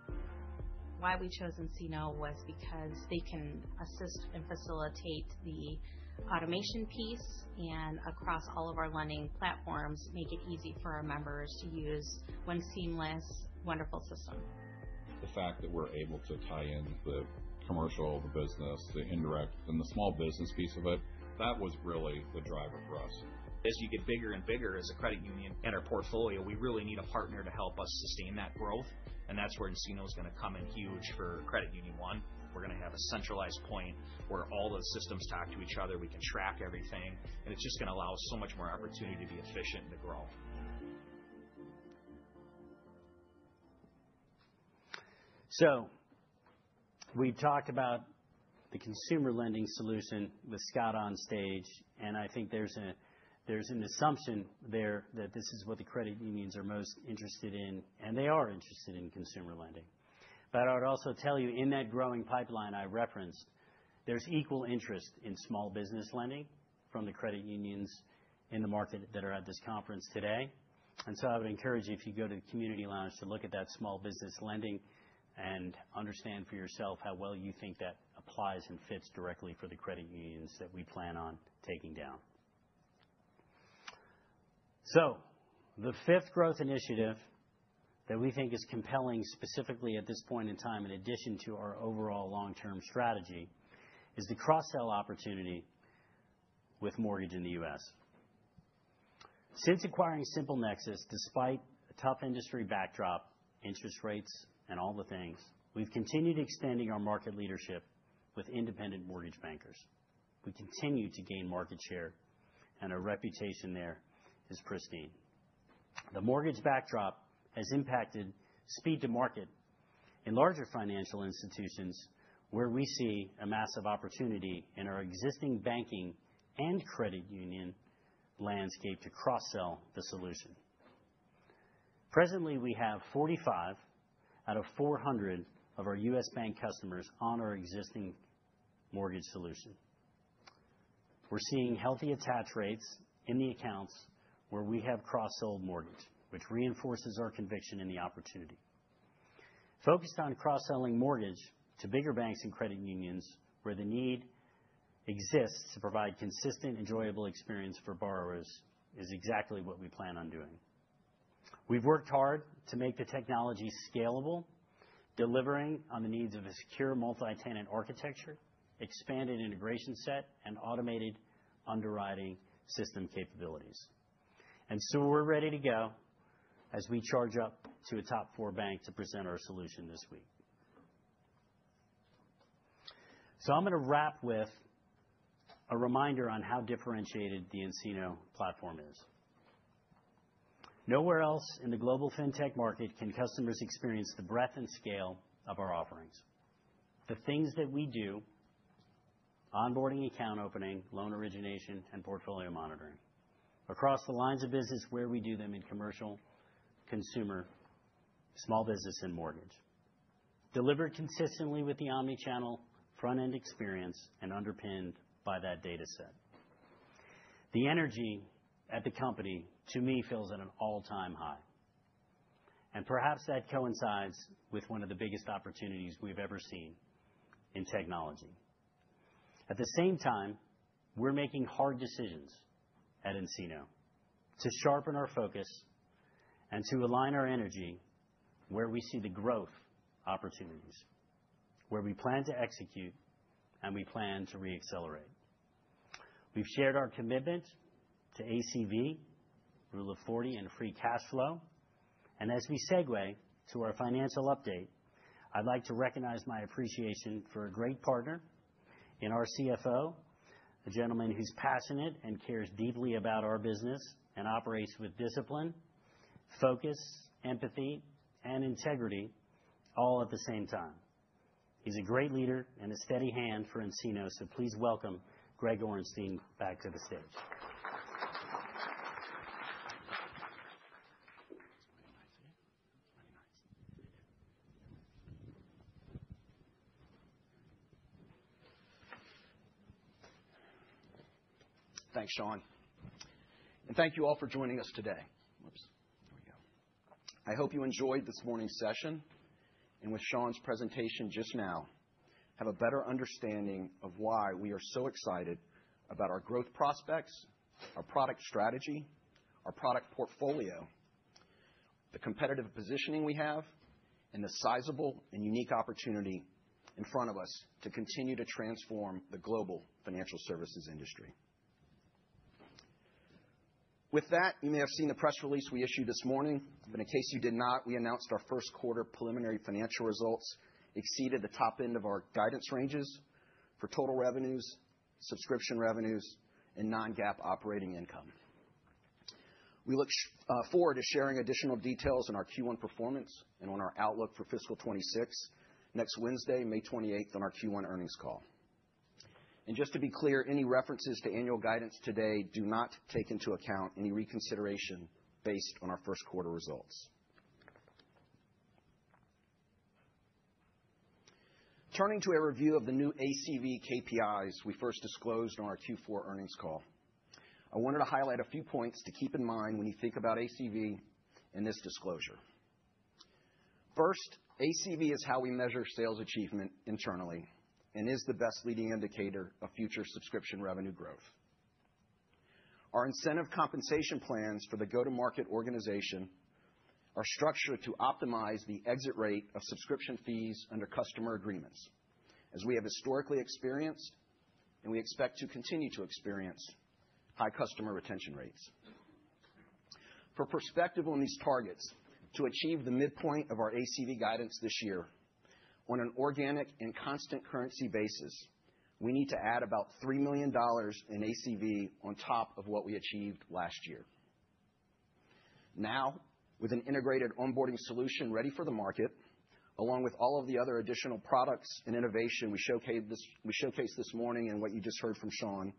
Why we chose nCino was because they can assist and facilitate the automation piece and across all of our lending platforms, make it easy for our members to use one seamless, wonderful system. The fact that we're able to tie in the commercial, the business, the indirect, and the small business piece of it, that was really the driver for us. As you get bigger and bigger as a credit union and our portfolio, we really need a partner to help us sustain that growth. That is where nCino is going to come in huge for Credit Union 1. We're going to have a centralized point where all the systems talk to each other. We can track everything. It is just going to allow us so much more opportunity to be efficient and to grow. We talked about the consumer lending solution with Scott on stage. I think there's an assumption there that this is what the credit unions are most interested in. They are interested in consumer lending. I would also tell you in that growing pipeline I referenced, there's equal interest in Small Business Lending from the credit unions in the market that are at this conference today. I would encourage you, if you go to the community lounge, to look at that Small Business Lending and understand for yourself how well you think that applies and fits directly for the credit unions that we plan on taking down. The fifth growth initiative that we think is compelling specifically at this point in time, in addition to our overall long-term strategy, is the cross-sell opportunity with mortgage in the U.S. Since acquiring SimpleNexus, despite a tough industry backdrop, interest rates, and all the things, we've continued expanding our market leadership with independent mortgage bankers. We continue to gain market share, and our reputation there is pristine. The mortgage backdrop has impacted speed to market in larger financial institutions where we see a massive opportunity in our existing banking and credit union landscape to cross-sell the solution. Presently, we have 45 out of 400 of our US bank customers on our existing Mortgage Solution. We're seeing healthy attach rates in the accounts where we have cross-sold mortgage, which reinforces our conviction in the opportunity. Focused on cross-selling mortgage to bigger banks and credit unions where the need exists to provide consistent, enjoyable experience for borrowers is exactly what we plan on doing. We've worked hard to make the technology scalable, delivering on the needs of a secure multi-tenant architecture, expanded integration set, and automated underwriting system capabilities. We're ready to go as we charge up to a top four bank to present our solution this week. I'm going to wrap with a reminder on how differentiated the nCino platform is. Nowhere else in the global fintech market can customers experience the breadth and scale of our offerings. The things that we do: Onboarding, account opening, loan origination, and portfolio monitoring across the lines of business where we do them in commercial, consumer, small business, and mortgage, delivered consistently with the omnichannel front-end experience and underpinned by that data set. The energy at the company, to me, feels at an all-time high. Perhaps that coincides with one of the biggest opportunities we've ever seen in technology. At the same time, we're making hard decisions at nCino to sharpen our focus and to align our energy where we see the growth opportunities, where we plan to execute, and we plan to reaccelerate. We've shared our commitment to ACV, Rule of 40, and free cash flow. As we segue to our financial update, I'd like to recognize my appreciation for a great partner in our CFO, a gentleman who's passionate and cares deeply about our business and operates with discipline, focus, empathy, and integrity all at the same time. He's a great leader and a steady hand for nCino. Please welcome Greg Orenstein back to the stage. Thanks, Sean. Thank you all for joining us today. Whoops. There we go. I hope you enjoyed this morning's session. With Sean's presentation just now, you have a better understanding of why we are so excited about our growth prospects, our product strategy, our product portfolio, the competitive positioning we have, and the sizable and unique opportunity in front of us to continue to transform the global financial services industry. You may have seen the press release we issued this morning. In case you did not, we announced our first quarter preliminary financial results exceeded the top end of our guidance ranges for total revenues, subscription revenues, and non-GAAP operating income. We look forward to sharing additional details on our Q1 performance and on our outlook for fiscal 2026 next Wednesday, May 28th, on our Q1 earnings call. Just to be clear, any references to annual guidance today do not take into account any reconsideration based on our first quarter results. Turning to a review of the new ACV KPIs we first disclosed on our Q4 earnings call, I wanted to highlight a few points to keep in mind when you think about ACV in this disclosure. First, ACV is how we measure sales achievement internally and is the best leading indicator of future subscription revenue growth. Our incentive compensation plans for the go-to-market organization are structured to optimize the exit rate of subscription fees under customer agreements, as we have historically experienced and we expect to continue to experience high customer retention rates. For perspective on these targets to achieve the midpoint of our ACV guidance this year, on an organic and constant currency basis, we need to add about $3 million in ACV on top of what we achieved last year. Now, with an integrated Onboarding solution ready for the market, along with all of the other additional products and innovation we showcased this morning and what you just heard from Sean,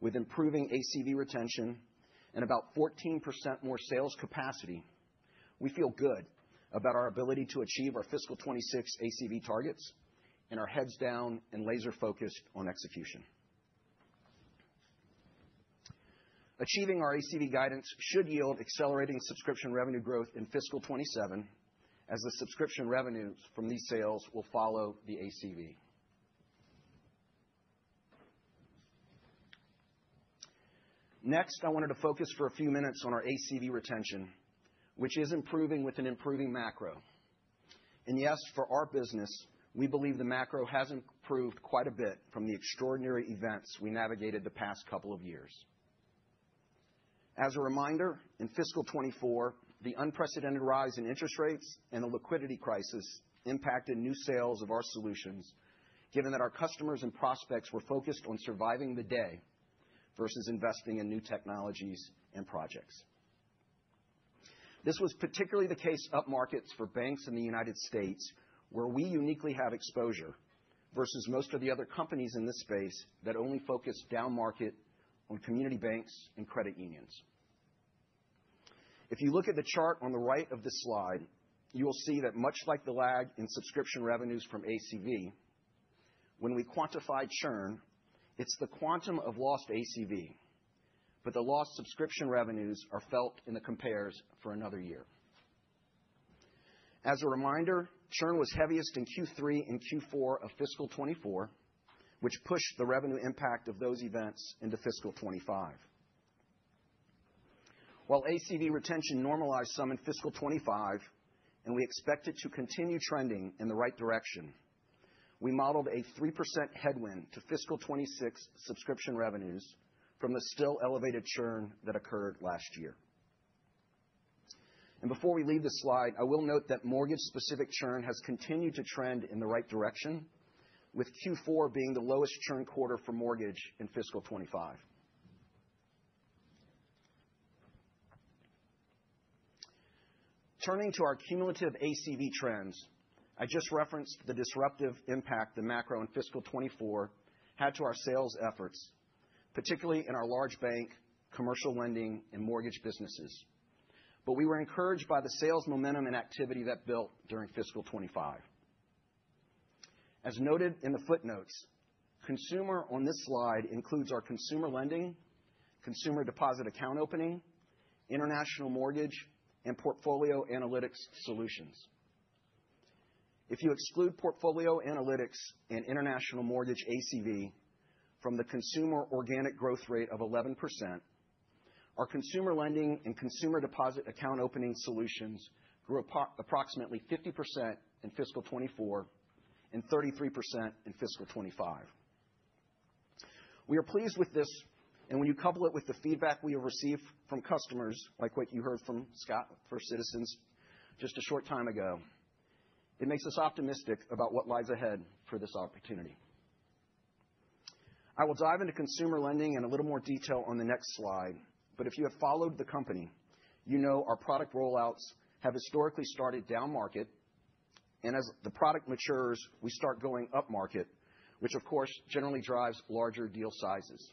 with improving ACV retention and about 14% more sales capacity, we feel good about our ability to achieve our fiscal 2026 ACV targets and are heads down and laser-focused on execution. Achieving our ACV guidance should yield accelerating subscription revenue growth in fiscal 2027, as the subscription revenues from these sales will follow the ACV. Next, I wanted to focus for a few minutes on our ACV retention, which is improving with an improving macro. Yes, for our business, we believe the macro has improved quite a bit from the extraordinary events we navigated the past couple of years. As a reminder, in fiscal 2024, the unprecedented rise in interest rates and the liquidity crisis impacted new sales of our solutions, given that our customers and prospects were focused on surviving the day versus investing in new technologies and projects. This was particularly the case up market for banks in the United States, where we uniquely have exposure versus most of the other companies in this space that only focus down market on community banks and credit unions. If you look at the chart on the right of this slide, you will see that much like the lag in subscription revenues from ACV, when we quantify churn, it's the quantum of lost ACV. The lost subscription revenues are felt in the compares for another year. As a reminder, churn was heaviest in Q3 and Q4 of fiscal 2024, which pushed the revenue impact of those events into fiscal 2025. While ACV retention normalized some in fiscal 2025, and we expect it to continue trending in the right direction, we modeled a 3% headwind to fiscal 2026 subscription revenues from the still elevated churn that occurred last year. Before we leave this slide, I will note that mortgage-specific churn has continued to trend in the right direction, with Q4 being the lowest churn quarter for mortgage in fiscal 2025. Turning to our cumulative ACV trends, I just referenced the disruptive impact the macro and fiscal 2024 had to our sales efforts, particularly in our large bank, commercial lending, and mortgage businesses. We were encouraged by the sales momentum and activity that built during fiscal 2025. As noted in the footnotes, consumer on this slide includes our consumer lending, consumer deposit account opening, international mortgage, and portfolio analytics solutions. If you exclude portfolio analytics and international mortgage ACV from the consumer organic growth rate of 11%, our consumer lending and consumer deposit account opening solutions grew approximately 50% in fiscal 2024 and 33% in fiscal 2025. We are pleased with this. When you couple it with the feedback we have received from customers, like what you heard from Scott for Citizens just a short time ago, it makes us optimistic about what lies ahead for this opportunity. I will dive into consumer lending in a little more detail on the next slide. If you have followed the company, you know our product rollouts have historically started down market. As the product matures, we start going up market, which, of course, generally drives larger deal sizes.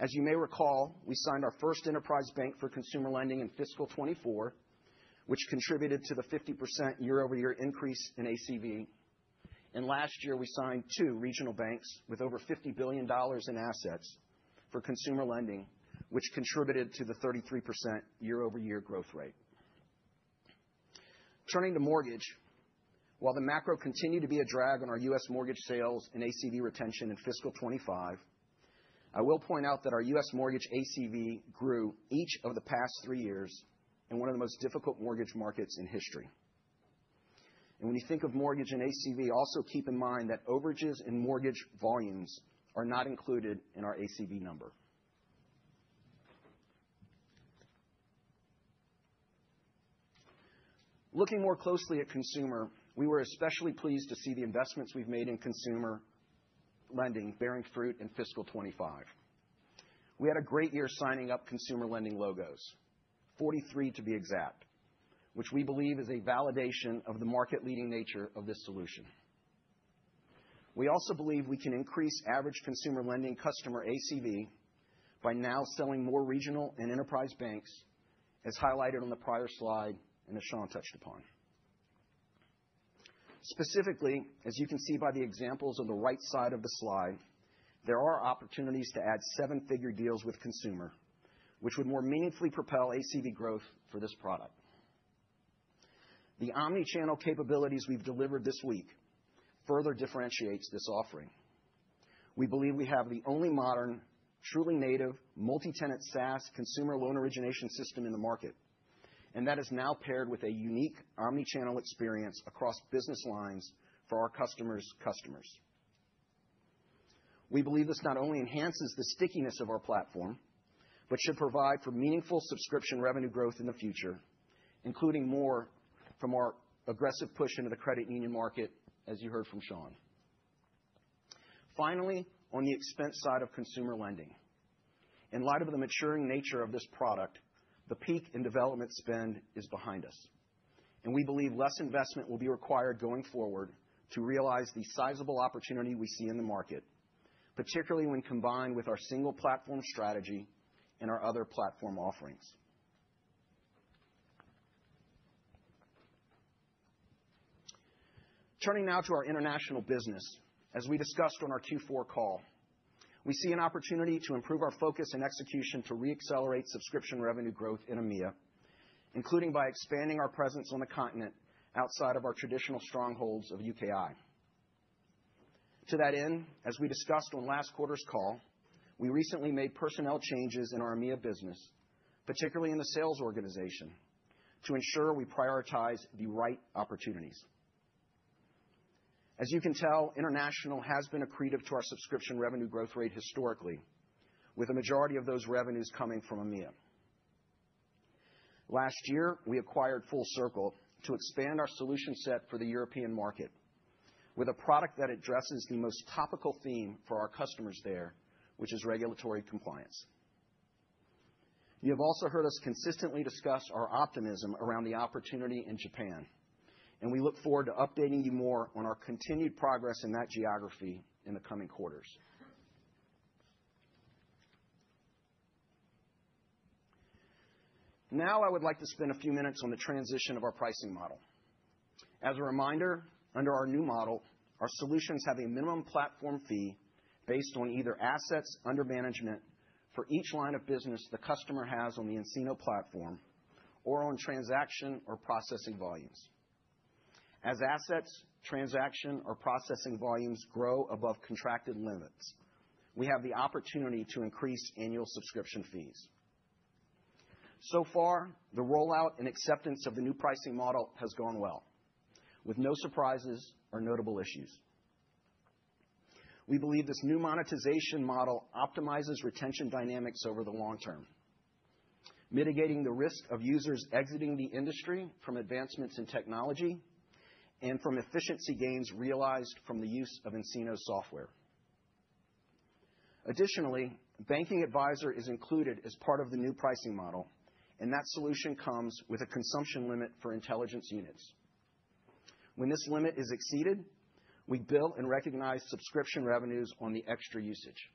As you may recall, we signed our first enterprise bank for consumer lending in fiscal 2024, which contributed to the 50% year-over-year increase in ACV. Last year, we signed two regional banks with over $50 billion in assets for consumer lending, which contributed to the 33% year-over-year growth rate. Turning to mortgage, while the macro continued to be a drag on our U.S. mortgage sales and ACV retention in fiscal 2025, I will point out that our U.S. mortgage ACV grew each of the past three years in one of the most difficult mortgage markets in history. When you think of mortgage and ACV, also keep in mind that overages in mortgage volumes are not included in our ACV number. Looking more closely at consumer, we were especially pleased to see the investments we've made in consumer lending bearing fruit in fiscal 2025. We had a great year signing up consumer lending logos, 43 to be exact, which we believe is a validation of the market-leading nature of this solution. We also believe we can increase average consumer lending customer ACV by now selling more regional and enterprise banks, as highlighted on the prior slide and as Sean touched upon. Specifically, as you can see by the examples on the right side of the slide, there are opportunities to add seven-figure deals with consumer, which would more meaningfully propel ACV growth for this product. The omnichannel capabilities we've delivered this week further differentiate this offering. We believe we have the only modern, truly native multi-tenant SaaS consumer loan origination system in the market, and that is now paired with a unique omnichannel experience across business lines for our customers' customers. We believe this not only enhances the stickiness of our platform, but should provide for meaningful subscription revenue growth in the future, including more from our aggressive push into the credit union market, as you heard from Sean. Finally, on the expense side of consumer lending, in light of the maturing nature of this product, the peak in development spend is behind us. We believe less investment will be required going forward to realize the sizable opportunity we see in the market, particularly when combined with our single platform strategy and our other platform offerings. Turning now to our international business, as we discussed on our Q4 call, we see an opportunity to improve our focus and execution to reaccelerate subscription revenue growth in EMEA, including by expanding our presence on the continent outside of our traditional strongholds of UKI. To that end, as we discussed on last quarter's call, we recently made personnel changes in our EMEA business, particularly in the sales organization, to ensure we prioritize the right opportunities. As you can tell, international has been accretive to our subscription revenue growth rate historically, with a majority of those revenues coming from EMEA. Last year, we acquired FullCircl to expand our solution set for the European market with a product that addresses the most topical theme for our customers there, which is regulatory compliance. You have also heard us consistently discuss our optimism around the opportunity in Japan, and we look forward to updating you more on our continued progress in that geography in the coming quarters. Now, I would like to spend a few minutes on the transition of our pricing model. As a reminder, under our new model, our solutions have a minimum platform fee based on either assets under management for each line of business the customer has on the nCino platform or on transaction or processing volumes. As assets, transaction, or processing volumes grow above contracted limits, we have the opportunity to increase annual subscription fees. So far, the rollout and acceptance of the new pricing model has gone well, with no surprises or notable issues. We believe this new monetization model optimizes retention dynamics over the long term, mitigating the risk of users exiting the industry from advancements in technology and from efficiency gains realized from the use of nCino's software. Additionally, Banking Advisor is included as part of the new pricing model, and that solution comes with a consumption limit for intelligence units. When this limit is exceeded, we bill and recognize subscription revenues on the extra usage.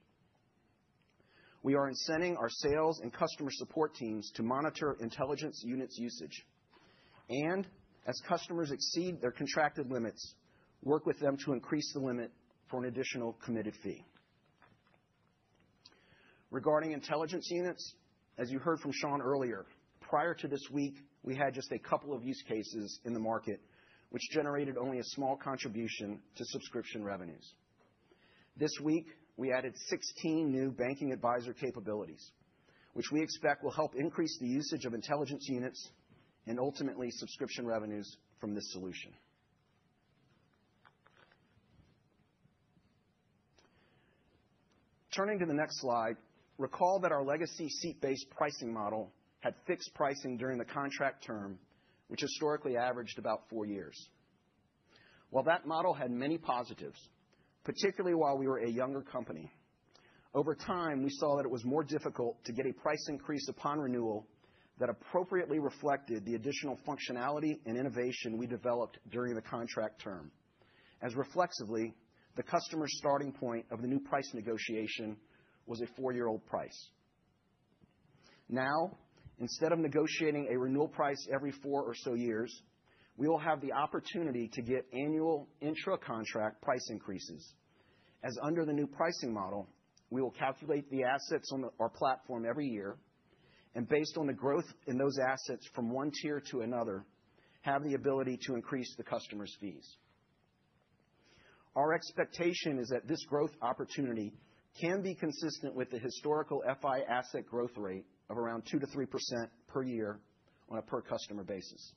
We are incenting our sales and customer support teams to monitor intelligence units' usage. As customers exceed their contracted limits, we work with them to increase the limit for an additional committed fee. Regarding intelligence units, as you heard from Sean earlier, prior to this week, we had just a couple of use cases in the market, which generated only a small contribution to subscription revenues. This week, we added 16 new Banking Advisor capabilities, which we expect will help increase the usage of intelligence units and ultimately subscription revenues from this solution. Turning to the next slide, recall that our legacy seat-based pricing model had fixed pricing during the contract term, which historically averaged about four years. While that model had many positives, particularly while we were a younger company, over time, we saw that it was more difficult to get a price increase upon renewal that appropriately reflected the additional functionality and innovation we developed during the contract term. As reflexively, the customer's starting point of the new price negotiation was a four-year-old price. Now, instead of negotiating a renewal price every four or so years, we will have the opportunity to get annual intra-contract price increases, as under the new pricing model, we will calculate the assets on our platform every year, and based on the growth in those assets from one tier to another, have the ability to increase the customer's fees. Our expectation is that this growth opportunity can be consistent with the historical FI asset growth rate of around 2-3% per year on a per-customer basis.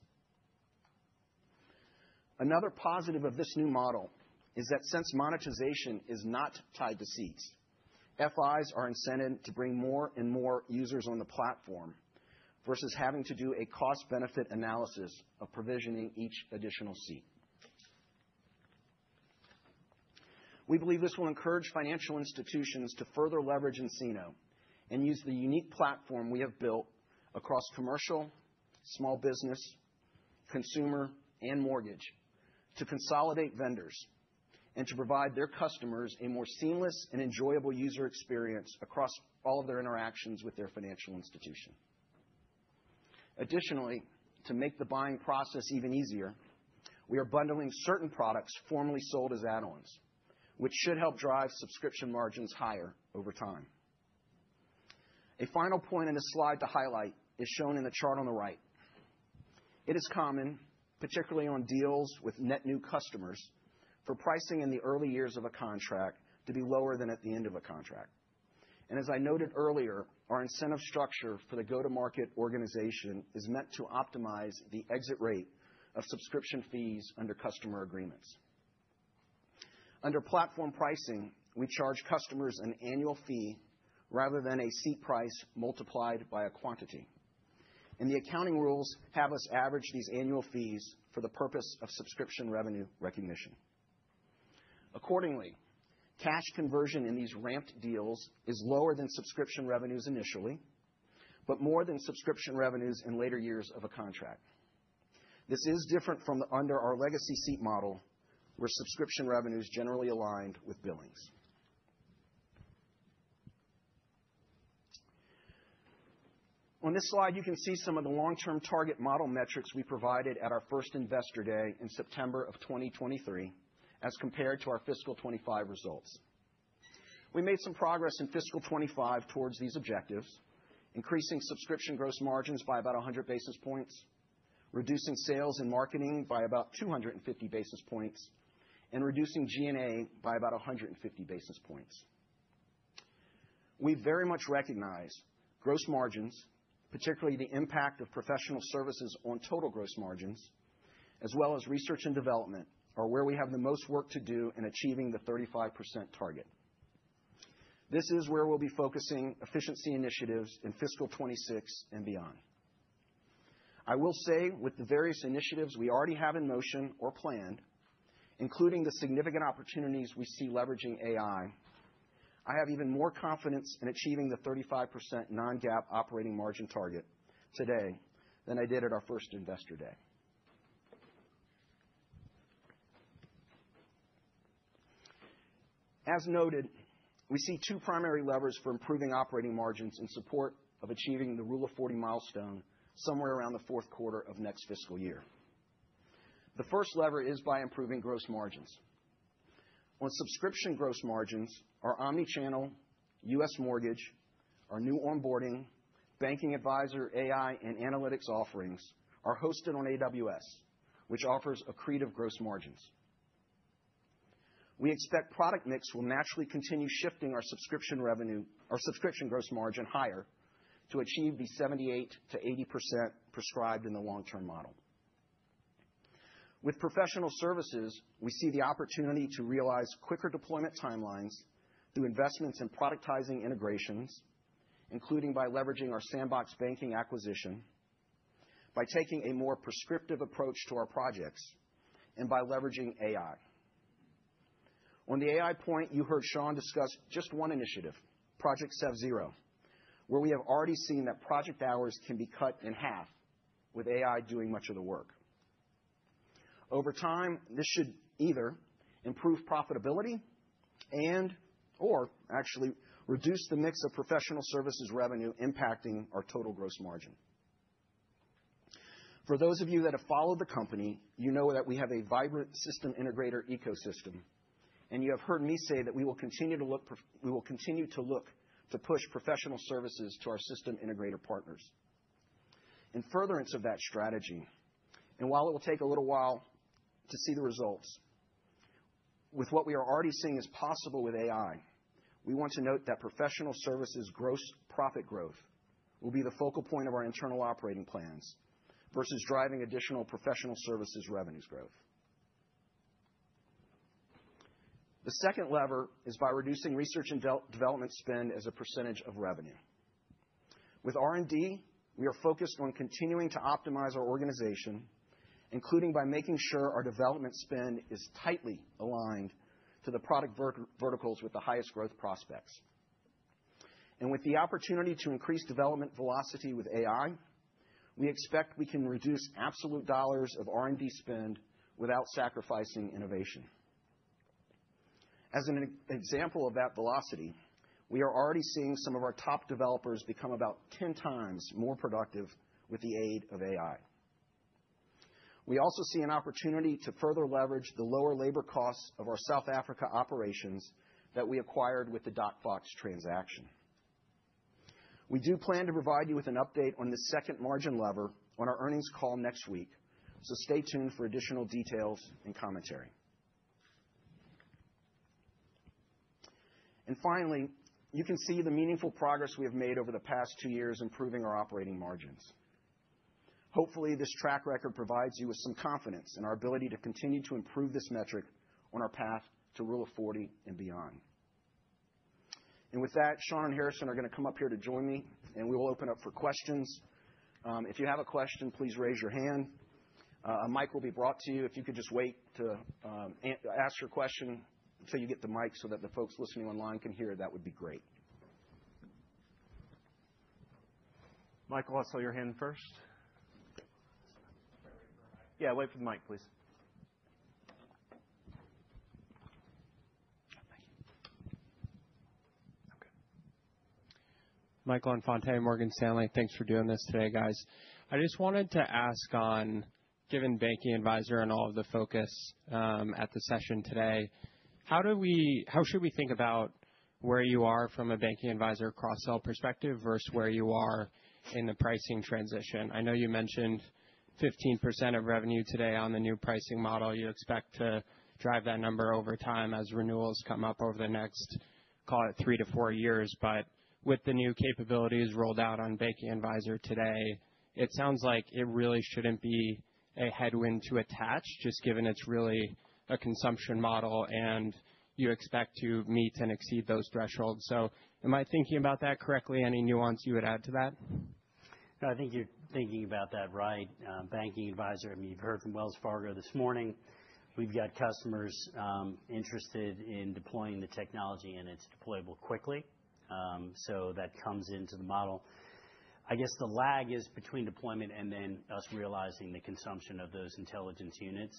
Another positive of this new model is that since monetization is not tied to seats, FIs are incented to bring more and more users on the platform versus having to do a cost-benefit analysis of provisioning each additional seat. We believe this will encourage financial institutions to further leverage nCino and use the unique platform we have built across commercial, small business, consumer, and mortgage to consolidate vendors and to provide their customers a more seamless and enjoyable user experience across all of their interactions with their financial institution. Additionally, to make the buying process even easier, we are bundling certain products formerly sold as add-ons, which should help drive subscription margins higher over time. A final point on this slide to highlight is shown in the chart on the right. It is common, particularly on deals with net new customers, for pricing in the early years of a contract to be lower than at the end of a contract. As I noted earlier, our incentive structure for the go-to-market organization is meant to optimize the exit rate of subscription fees under customer agreements. Under platform pricing, we charge customers an annual fee rather than a seat price multiplied by a quantity. The accounting rules have us average these annual fees for the purpose of subscription revenue recognition. Accordingly, cash conversion in these ramped deals is lower than subscription revenues initially, but more than subscription revenues in later years of a contract. This is different from under our legacy seat model, where subscription revenues generally aligned with billings. On this slide, you can see some of the long-term target model metrics we provided at our first investor day in September of 2023 as compared to our fiscal 2025 results. We made some progress in fiscal 2025 towards these objectives, increasing subscription gross margins by about 100 basis points, reducing sales and marketing by about 250 basis points, and reducing G&A by about 150 basis points. We very much recognize gross margins, particularly the impact of professional services on total gross margins, as well as research and development, are where we have the most work to do in achieving the 35% target. This is where we'll be focusing efficiency initiatives in fiscal 2026 and beyond. I will say, with the various initiatives we already have in motion or planned, including the significant opportunities we see leveraging AI, I have even more confidence in achieving the 35% non-GAAP operating margin target today than I did at our first investor day. As noted, we see two primary levers for improving operating margins in support of achieving the Rule of 40 milestone somewhere around the fourth quarter of next fiscal year. The first lever is by improving gross margins. On subscription gross margins, our omnichannel, US mortgage, our new onboarding, Banking Advisor, AI, and analytics offerings are hosted on AWS, which offers accretive gross margins. We expect product mix will naturally continue shifting our subscription revenue, our subscription gross margin higher to achieve the 78%-80% prescribed in the long-term model. With professional services, we see the opportunity to realize quicker deployment timelines through investments in productizing integrations, including by leveraging our Sandbox Banking acquisition, by taking a more prescriptive approach to our projects, and by leveraging AI. On the AI point, you heard Sean discuss just one initiative, Project SevZero, where we have already seen that project hours can be cut in half with AI doing much of the work. Over time, this should either improve profitability and/or actually reduce the mix of professional services revenue impacting our total gross margin. For those of you that have followed the company, you know that we have a vibrant system integrator ecosystem, and you have heard me say that we will continue to look for, we will continue to look to push professional services to our system integrator partners. In furtherance of that strategy, and while it will take a little while to see the results, with what we are already seeing is possible with AI, we want to note that professional services gross profit growth will be the focal point of our internal operating plans versus driving additional professional services revenues growth. The second lever is by reducing research and development spend as a percentage of revenue. With R&D, we are focused on continuing to optimize our organization, including by making sure our development spend is tightly aligned to the product verticals with the highest growth prospects. With the opportunity to increase development velocity with AI, we expect we can reduce absolute dollars of R&D spend without sacrificing innovation. As an example of that velocity, we are already seeing some of our top developers become about 10 times more productive with the aid of AI. We also see an opportunity to further leverage the lower labor costs of our South Africa operations that we acquired with the DocFox transaction. We do plan to provide you with an update on the second margin lever on our earnings call next week, so stay tuned for additional details and commentary. Finally, you can see the meaningful progress we have made over the past two years improving our operating margins. Hopefully, this track record provides you with some confidence in our ability to continue to improve this metric on our path to Rule of 40 and beyond. With that, Sean and Harrison are going to come up here to join me, and we will open up for questions. If you have a question, please raise your hand. A mic will be brought to you. If you could just wait to ask your question until you get the mic so that the folks listening online can hear it, that would be great. Michael, I'll see your hand first. Yeah, wait for the mic, please. Michael Infante, Morgan Stanley. Thanks for doing this today, guys. I just wanted to ask on, given Banking Advisor and all of the focus at the session today, how should we think about where you are from a Banking Advisor cross-sell perspective versus where you are in the pricing transition? I know you mentioned 15% of revenue today on the new pricing model. You expect to drive that number over time as renewals come up over the next, call it, three to four years. With the new capabilities rolled out on Banking Advisor today, it sounds like it really should not be a headwind to attach, just given it is really a consumption model and you expect to meet and exceed those thresholds. Am I thinking about that correctly? Any nuance you would add to that? No, I think you're thinking about that right. Banking Advisor, I mean, you've heard from Wells Fargo this morning. We've got customers interested in deploying the technology, and it's deployable quickly. That comes into the model. I guess the lag is between deployment and then us realizing the consumption of those intelligence units.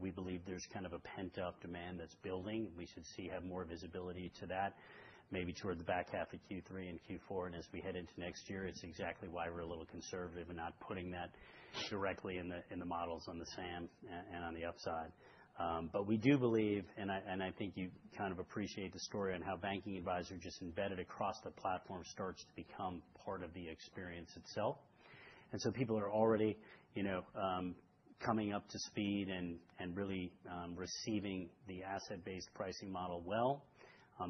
We believe there's kind of a pent-up demand that's building. We should have more visibility to that, maybe toward the back half of Q3 and Q4. As we head into next year, it's exactly why we're a little conservative and not putting that directly in the models on the SAM and on the upside. We do believe, and I think you kind of appreciate the story on how Banking Advisor just embedded across the platform starts to become part of the experience itself. People are already coming up to speed and really receiving the asset-based pricing model well.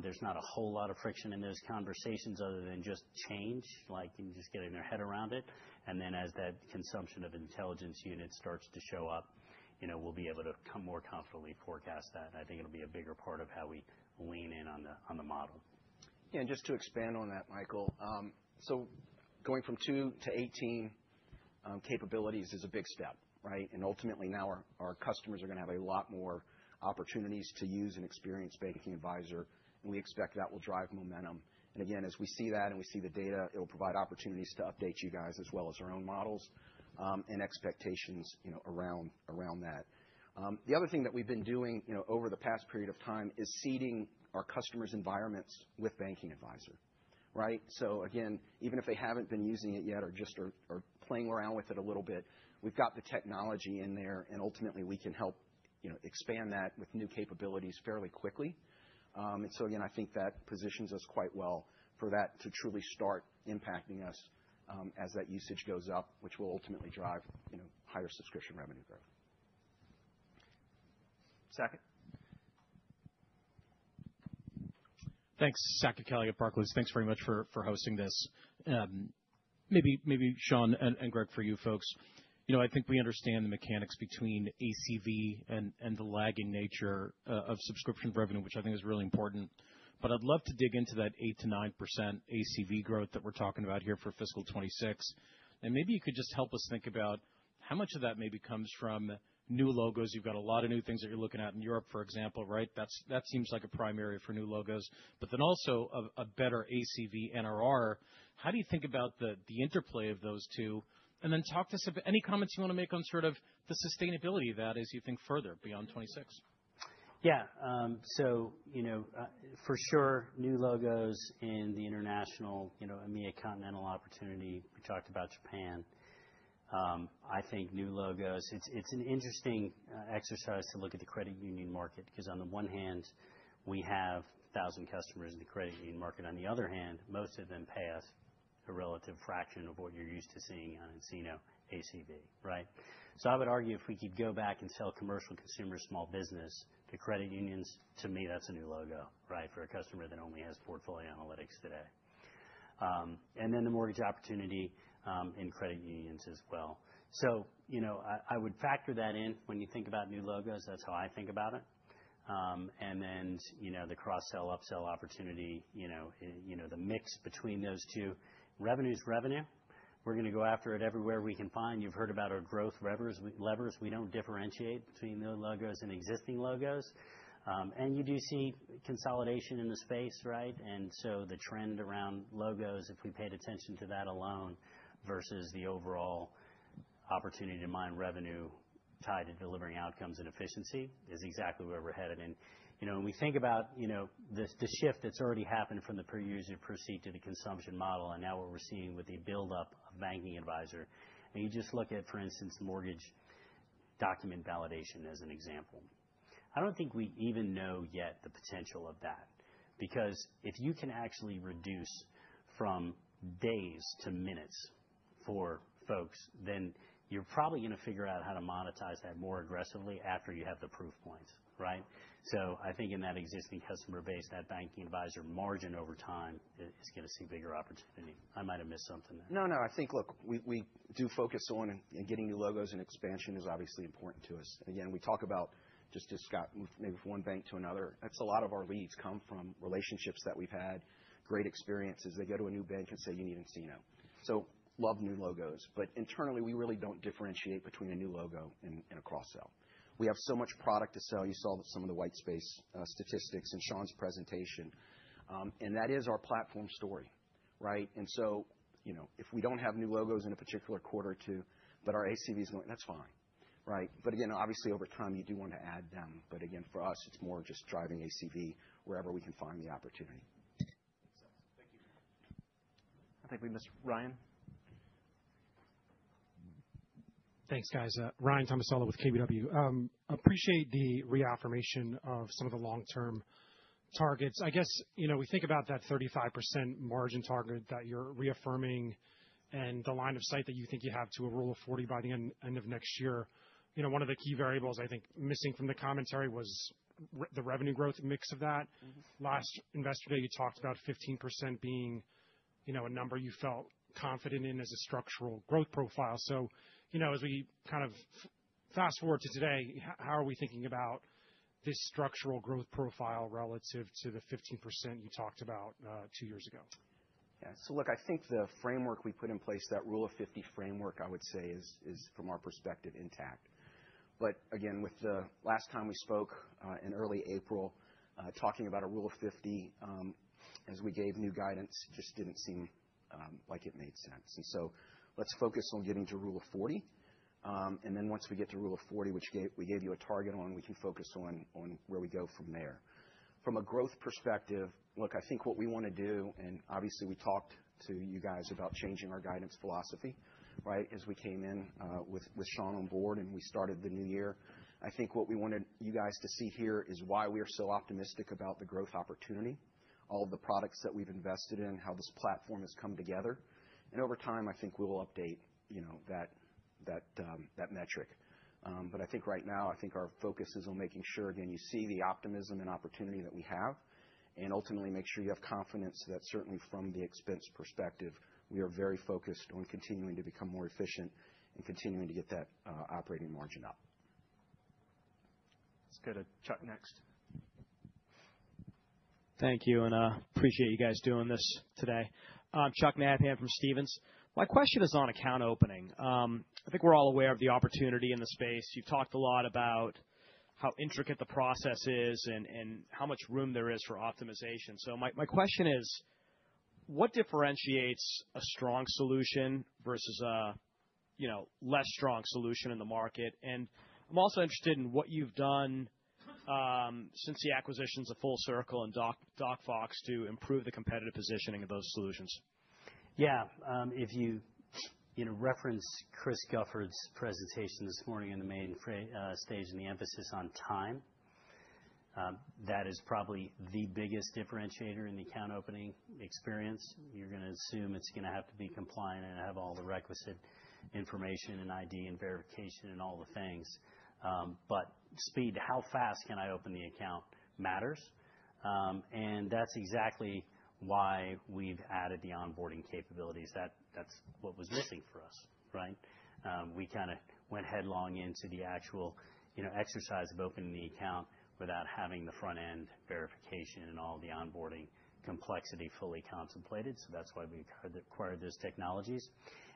There is not a whole lot of friction in those conversations other than just change, like just getting their head around it. As that consumption of intelligence units starts to show up, we will be able to more confidently forecast that. I think it will be a bigger part of how we lean in on the model. Yeah, and just to expand on that, Michael, going from 2-18 capabilities is a big step, right? Ultimately now our customers are going to have a lot more opportunities to use and experience Banking Advisor. We expect that will drive momentum. Again, as we see that and we see the data, it'll provide opportunities to update you guys as well as our own models and expectations around that. The other thing that we've been doing over the past period of time is seeding our customers' environments with Banking Advisor, right? Even if they haven't been using it yet or just are playing around with it a little bit, we've got the technology in there, and ultimately we can help expand that with new capabilities fairly quickly. I think that positions us quite well for that to truly start impacting us as that usage goes up, which will ultimately drive higher subscription revenue growth. Second. Thanks, Saket Kalia, Barclays. Thanks very much for hosting this. Maybe Sean and Greg, for you folks. I think we understand the mechanics between ACV and the lagging nature of subscription revenue, which I think is really important. I'd love to dig into that 8%-9% ACV growth that we're talking about here for fiscal 2026. Maybe you could just help us think about how much of that maybe comes from new logos. You've got a lot of new things that you're looking at in Europe, for example, right? That seems like a primary for new logos. Also a better ACV NRR. How do you think about the interplay of those two? Talk to us about any comments you want to make on sort of the sustainability of that as you think further beyond 2026. Yeah. For sure, new logos in the international, EMEA continental opportunity. We talked about Japan. I think new logos, it's an interesting exercise to look at the credit union market because on the one hand, we have 1,000 customers in the credit union market. On the other hand, most of them pay us a relative fraction of what you're used to seeing on nCino ACV, right? I would argue if we could go back and sell commercial, consumer, small business to credit unions, to me, that's a new logo, right, for a customer that only has Portfolio Analytics today. The mortgage opportunity in credit unions as well. I would factor that in when you think about new logos. That's how I think about it. The cross-sell upsell opportunity, the mix between those two. Revenue is revenue. We're going to go after it everywhere we can find. You've heard about our growth levers. We don't differentiate between new logos and existing logos. You do see consolidation in the space, right? The trend around logos, if we paid attention to that alone versus the overall opportunity to mine revenue tied to delivering outcomes and efficiency, is exactly where we're headed. When we think about the shift that's already happened from the per user per seat to the consumption model and now what we're seeing with the buildup of Banking Advisor, you just look at, for instance, mortgage document validation as an example. I don't think we even know yet the potential of that because if you can actually reduce from days to minutes for folks, then you're probably going to figure out how to monetize that more aggressively after you have the proof points, right? I think in that existing customer base, that Banking Advisor margin over time is going to see bigger opportunity. I might have missed something there. No, no. I think, look, we do focus on getting new logos, and expansion is obviously important to us. Again, we talk about just got moved maybe from one bank to another. That is a lot of our leads come from relationships that we have had, great experiences. They go to a new bank and say, "You need nCino." Love new logos. Internally, we really do not differentiate between a new logo and a cross-sell. We have so much product to sell. You saw some of the white space statistics in Sean's presentation. That is our platform story, right? If we do not have new logos in a particular quarter or two, but our ACV is going, that is fine, right? Again, obviously over time you do want to add them. Again, for us, it is more just driving ACV wherever we can find the opportunity. Thank you. I think we missed Ryan. Thanks, guys. Ryan Tomasello with KBW. Appreciate the reaffirmation of some of the long-term targets. I guess we think about that 35% margin target that you're reaffirming and the line of sight that you think you have to a Rule of 40 by the end of next year. One of the key variables I think missing from the commentary was the revenue growth mix of that. Last investor day, you talked about 15% being a number you felt confident in as a structural growth profile. As we kind of fast forward to today, how are we thinking about this structural growth profile relative to the 15% you talked about two years ago? Yeah. So look, I think the framework we put in place, that Rule of 50 framework, I would say, is from our perspective intact. Again, with the last time we spoke in early April, talking about a Rule of 50 as we gave new guidance just did not seem like it made sense. Let's focus on getting to Rule of 40. Once we get to Rule of 40, which we gave you a target on, we can focus on where we go from there. From a growth perspective, look, I think what we want to do, and obviously we talked to you guys about changing our guidance philosophy, right, as we came in with Sean on board and we started the new year. I think what we wanted you guys to see here is why we are so optimistic about the growth opportunity, all of the products that we've invested in, how this platform has come together. Over time, I think we will update that metric. Right now, I think our focus is on making sure, again, you see the optimism and opportunity that we have and ultimately make sure you have confidence that certainly from the expense perspective, we are very focused on continuing to become more efficient and continuing to get that operating margin up. Let's go to Chuck next. Thank you. And I appreciate you guys doing this today. Chuck Nabhan from Stephens. My question is on account opening. I think we're all aware of the opportunity in the space. You've talked a lot about how intricate the process is and how much room there is for optimization. My question is, what differentiates a strong solution versus a less strong solution in the market? I'm also interested in what you've done since the acquisitions of FullCircl and DocFox to improve the competitive positioning of those solutions. Yeah. If you reference Chris Gufford's presentation this morning in the main stage and the emphasis on time, that is probably the biggest differentiator in the account opening experience. You're going to assume it's going to have to be compliant and have all the requisite information and ID and verification and all the things. Speed, how fast can I open the account matters. That's exactly why we've added the onboarding capabilities. That's what was missing for us, right? We kind of went headlong into the actual exercise of opening the account without having the front-end verification and all the onboarding complexity fully contemplated. That's why we acquired those technologies.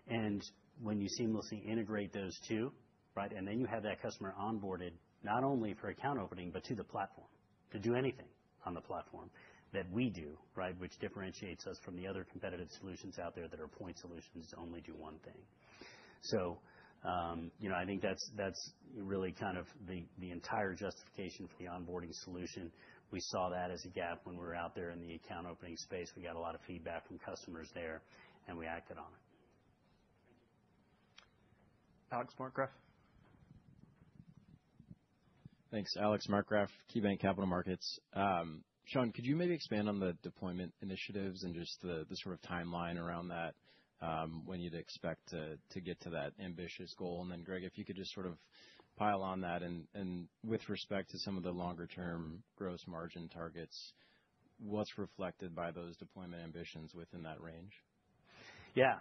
When you seamlessly integrate those two, right, and then you have that customer onboarded not only for account opening, but to the platform, to do anything on the platform that we do, right, which differentiates us from the other competitive solutions out there that are point solutions that only do one thing. I think that's really kind of the entire justification for the onboarding solution. We saw that as a gap when we were out there in the account opening space. We got a lot of feedback from customers there, and we acted on it. Alex Markgraff. Thanks. Alex Markgraff, KeyBanc Capital Markets. Sean, could you maybe expand on the deployment initiatives and just the sort of timeline around that, when you'd expect to get to that ambitious goal? Greg, if you could just sort of pile on that. With respect to some of the longer-term gross margin targets, what's reflected by those deployment ambitions within that range? Yeah.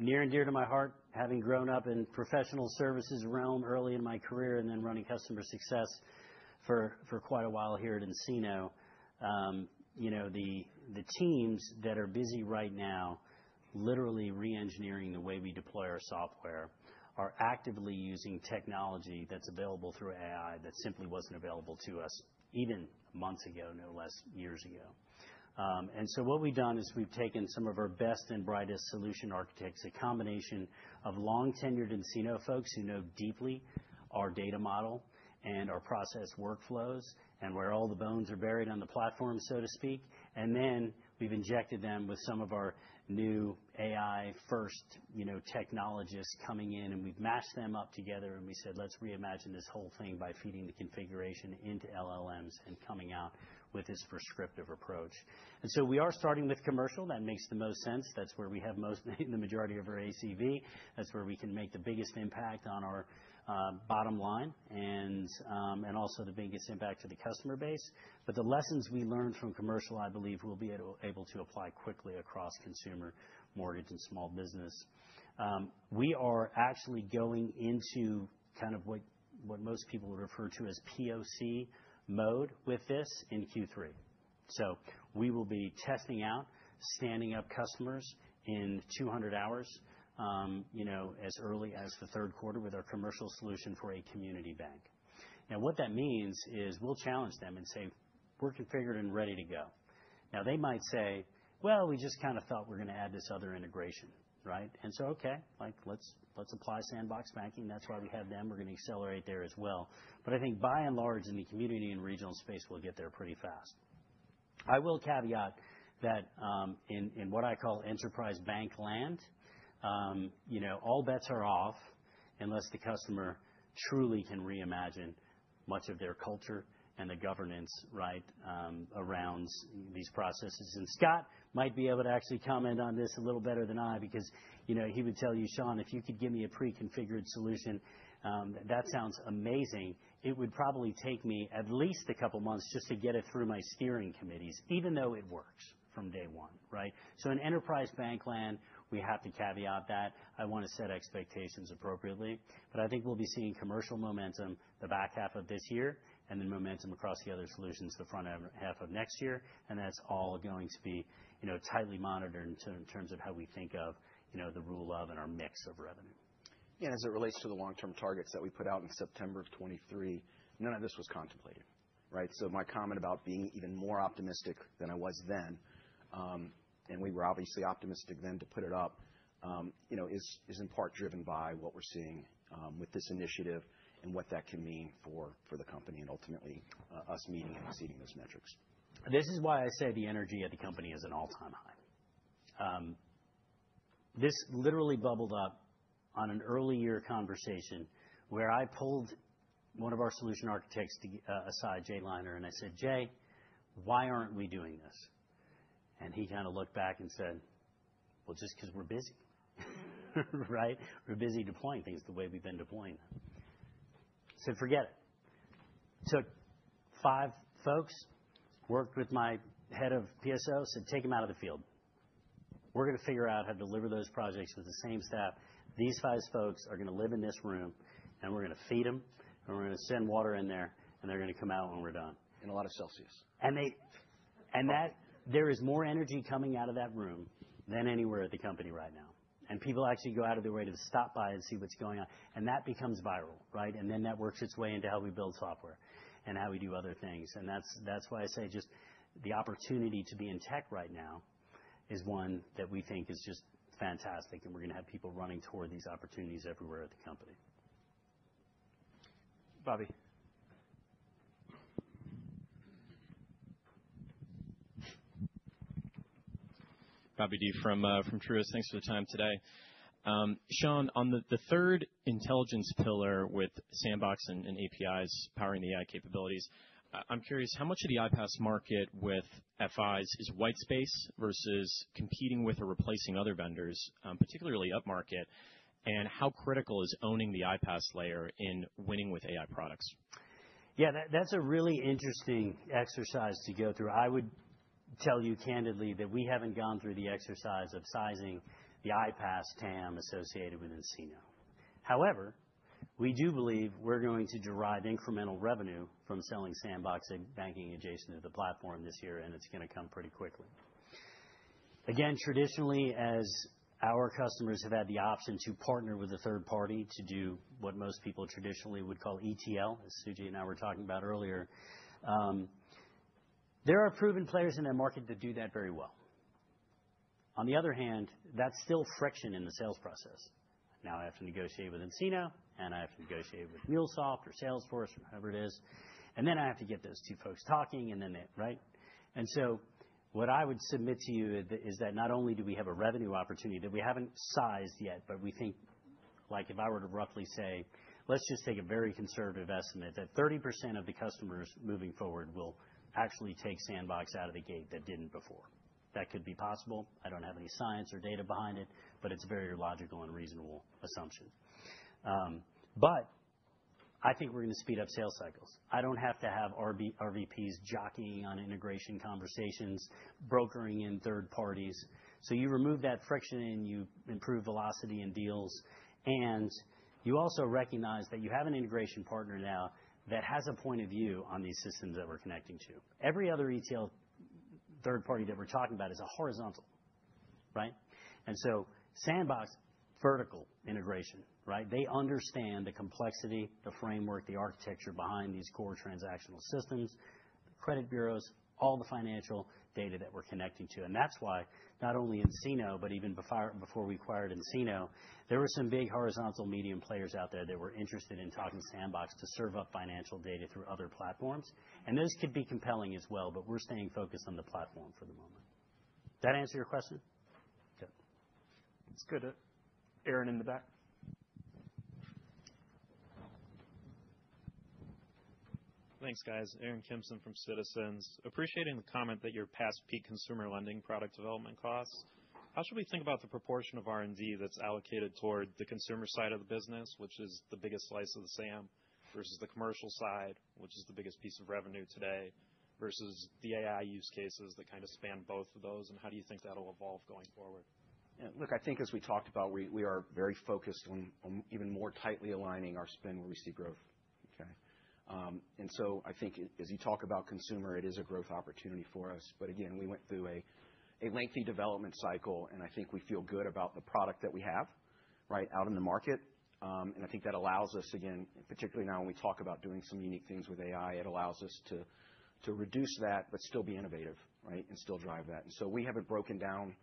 Near and dear to my heart, having grown up in professional services realm early in my career and then running customer success for quite a while here at nCino, the teams that are busy right now literally re-engineering the way we deploy our software are actively using technology that's available through AI that simply was not available to us even months ago, no less years ago. What we have done is we have taken some of our best and brightest solution architects, a combination of long-tenured nCino folks who know deeply our data model and our process workflows and where all the bones are buried on the platform, so to speak. We have injected them with some of our new AI-first technologists coming in, and we have matched them up together. We said, "Let's reimagine this whole thing by feeding the configuration into LLMs and coming out with this prescriptive approach." We are starting with commercial. That makes the most sense. That is where we have the majority of our ACV. That is where we can make the biggest impact on our bottom line and also the biggest impact to the customer base. The lessons we learned from commercial, I believe, we will be able to apply quickly across consumer, mortgage, and small business. We are actually going into kind of what most people would refer to as POC mode with this in Q3. We will be testing out, standing up customers in 200 hours as early as the third quarter with our commercial solution for a community bank. Now, what that means is we'll challenge them and say, "We're configured and ready to go." They might say, "Well, we just kind of thought we're going to add this other integration," right? Okay, let's apply Sandbox Banking. That's why we have them. We're going to accelerate there as well. I think by and large in the community and regional space, we'll get there pretty fast. I will caveat that in what I call enterprise bank land, all bets are off unless the customer truly can reimagine much of their culture and the governance, right, around these processes. Scott might be able to actually comment on this a little better than I because he would tell you, "Sean, if you could give me a pre-configured solution, that sounds amazing." It would probably take me at least a couple of months just to get it through my steering committees, even though it works from day one, right? In enterprise bank land, we have to caveat that. I want to set expectations appropriately. I think we'll be seeing commercial momentum the back half of this year and then momentum across the other solutions the front half of next year. That is all going to be tightly monitored in terms of how we think of the Rule of and our mix of revenue. Yeah. As it relates to the long-term targets that we put out in September of 2023, none of this was contemplated, right? My comment about being even more optimistic than I was then, and we were obviously optimistic then to put it up, is in part driven by what we're seeing with this initiative and what that can mean for the company and ultimately us meeting and exceeding those metrics. This is why I say the energy at the company is at an all-time high. This literally bubbled up on an earlier conversation where I pulled one of our solution architects aside, Jay Leiner, and I said, "Jay, why aren't we doing this?" He kind of looked back and said, "Just because we're busy," right? "We're busy deploying things the way we've been deploying them." I said, "Forget it." Took five folks, worked with my head of PSO, said, "Take them out of the field. We're going to figure out how to deliver those projects with the same staff. These five folks are going to live in this room, and we're going to feed them, and we're going to send water in there, and they're going to come out when we're done. In a lot of Celsius. There is more energy coming out of that room than anywhere at the company right now. People actually go out of their way to stop by and see what's going on. That becomes viral, right? That works its way into how we build software and how we do other things. That is why I say just the opportunity to be in tech right now is one that we think is just fantastic. We are going to have people running toward these opportunities everywhere at the company. Robert. Robert Dee from Truist. Thanks for the time today. Sean, on the third intelligence pillar with Sandbox Banking and APIs powering the AI capabilities, I'm curious how much of the iPaaS market with FIs is white space versus competing with or replacing other vendors, particularly upmarket, and how critical is owning the iPaaS layer in winning with AI products? Yeah. That's a really interesting exercise to go through. I would tell you candidly that we haven't gone through the exercise of sizing the iPaaS TAM associated with nCino. However, we do believe we're going to derive incremental revenue from selling Sandbox Banking adjacent to the platform this year, and it's going to come pretty quickly. Again, traditionally, as our customers have had the option to partner with a third party to do what most people traditionally would call ETL, as Suji and I were talking about earlier, there are proven players in that market that do that very well. On the other hand, that's still friction in the sales process. Now I have to negotiate with nCino, and I have to negotiate with MuleSoft or Salesforce or whoever it is. I have to get those two folks talking, and then they, right? What I would submit to you is that not only do we have a revenue opportunity that we have not sized yet, but we think like if I were to roughly say, "Let's just take a very conservative estimate that 30% of the customers moving forward will actually take Sandbox out of the gate that did not before." That could be possible. I do not have any science or data behind it, but it is a very logical and reasonable assumption. I think we are going to speed up sales cycles. I do not have to have RVPs jockeying on integration conversations, brokering in third parties. You remove that friction, and you improve velocity in deals. You also recognize that you have an integration partner now that has a point of view on these systems that we are connecting to. Every other ETL third party that we're talking about is a horizontal, right? Sandbox, vertical integration, right? They understand the complexity, the framework, the architecture behind these core transactional systems, the credit bureaus, all the financial data that we're connecting to. That is why not only nCino, but even before we acquired nCino, there were some big horizontal medium players out there that were interested in talking Sandbox to serve up financial data through other platforms. Those could be compelling as well, but we're staying focused on the platform for the moment. Did that answer your question? Good. Let's go to Aaron in the back. Thanks, guys. Aaron Kimson from Citizens. Appreciating the comment that you're past peak consumer lending product development costs. How should we think about the proportion of R&D that's allocated toward the consumer side of the business, which is the biggest slice of the SAM versus the commercial side, which is the biggest piece of revenue today versus the AI use cases that kind of span both of those? How do you think that'll evolve going forward? Yeah. Look, I think as we talked about, we are very focused on even more tightly aligning our spend where we see growth, okay? I think as you talk about consumer, it is a growth opportunity for us. Again, we went through a lengthy development cycle, and I think we feel good about the product that we have, right, out in the market. I think that allows us, again, particularly now when we talk about doing some unique things with AI, it allows us to reduce that but still be innovative, right, and still drive that. We have not broken down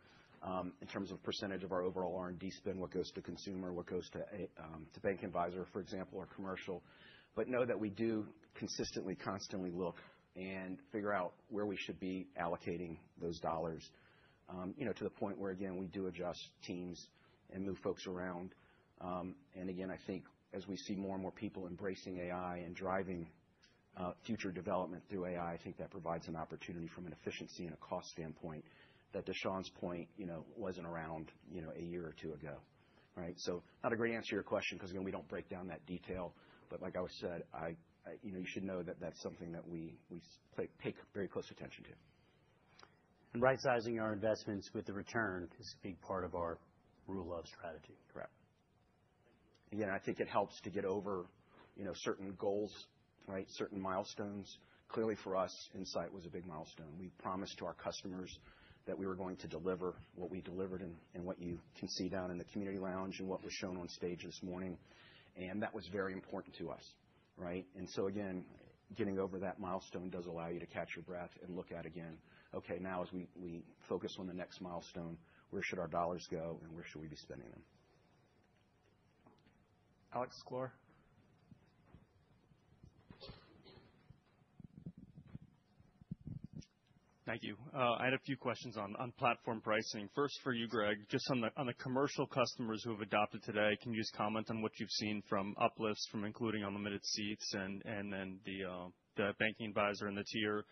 in terms of % of our overall R&D spend, what goes to consumer, what goes to Banking Advisor, for example, or commercial, but know that we do consistently, constantly look and figure out where we should be allocating those dollars to the point where, again, we do adjust teams and move folks around. I think as we see more and more people embracing AI and driving future development through AI, I think that provides an opportunity from an efficiency and a cost standpoint that, to Sean's point, was not around a year or two ago, right? Not a great answer to your question because, again, we do not break down that detail. Like I said, you should know that is something that we pay very close attention to. Right-sizing our investments with the return is a big part of our Rule of strategy, correct. I think it helps to get over certain goals, certain milestones. Clearly, for us, Insight was a big milestone. We promised to our customers that we were going to deliver what we delivered and what you can see down in the community lounge and what was shown on stage this morning. That was very important to us, right? Getting over that milestone does allow you to catch your breath and look at, again, okay, now as we focus on the next milestone, where should our dollars go and where should we be spending them? Alex Sklar. Thank you. I had a few questions on platform pricing. First for you, Greg, just on the commercial customers who have adopted today, can you just comment on what you've seen from uplift, from including unlimited seats and then the Banking Advisor in the tier?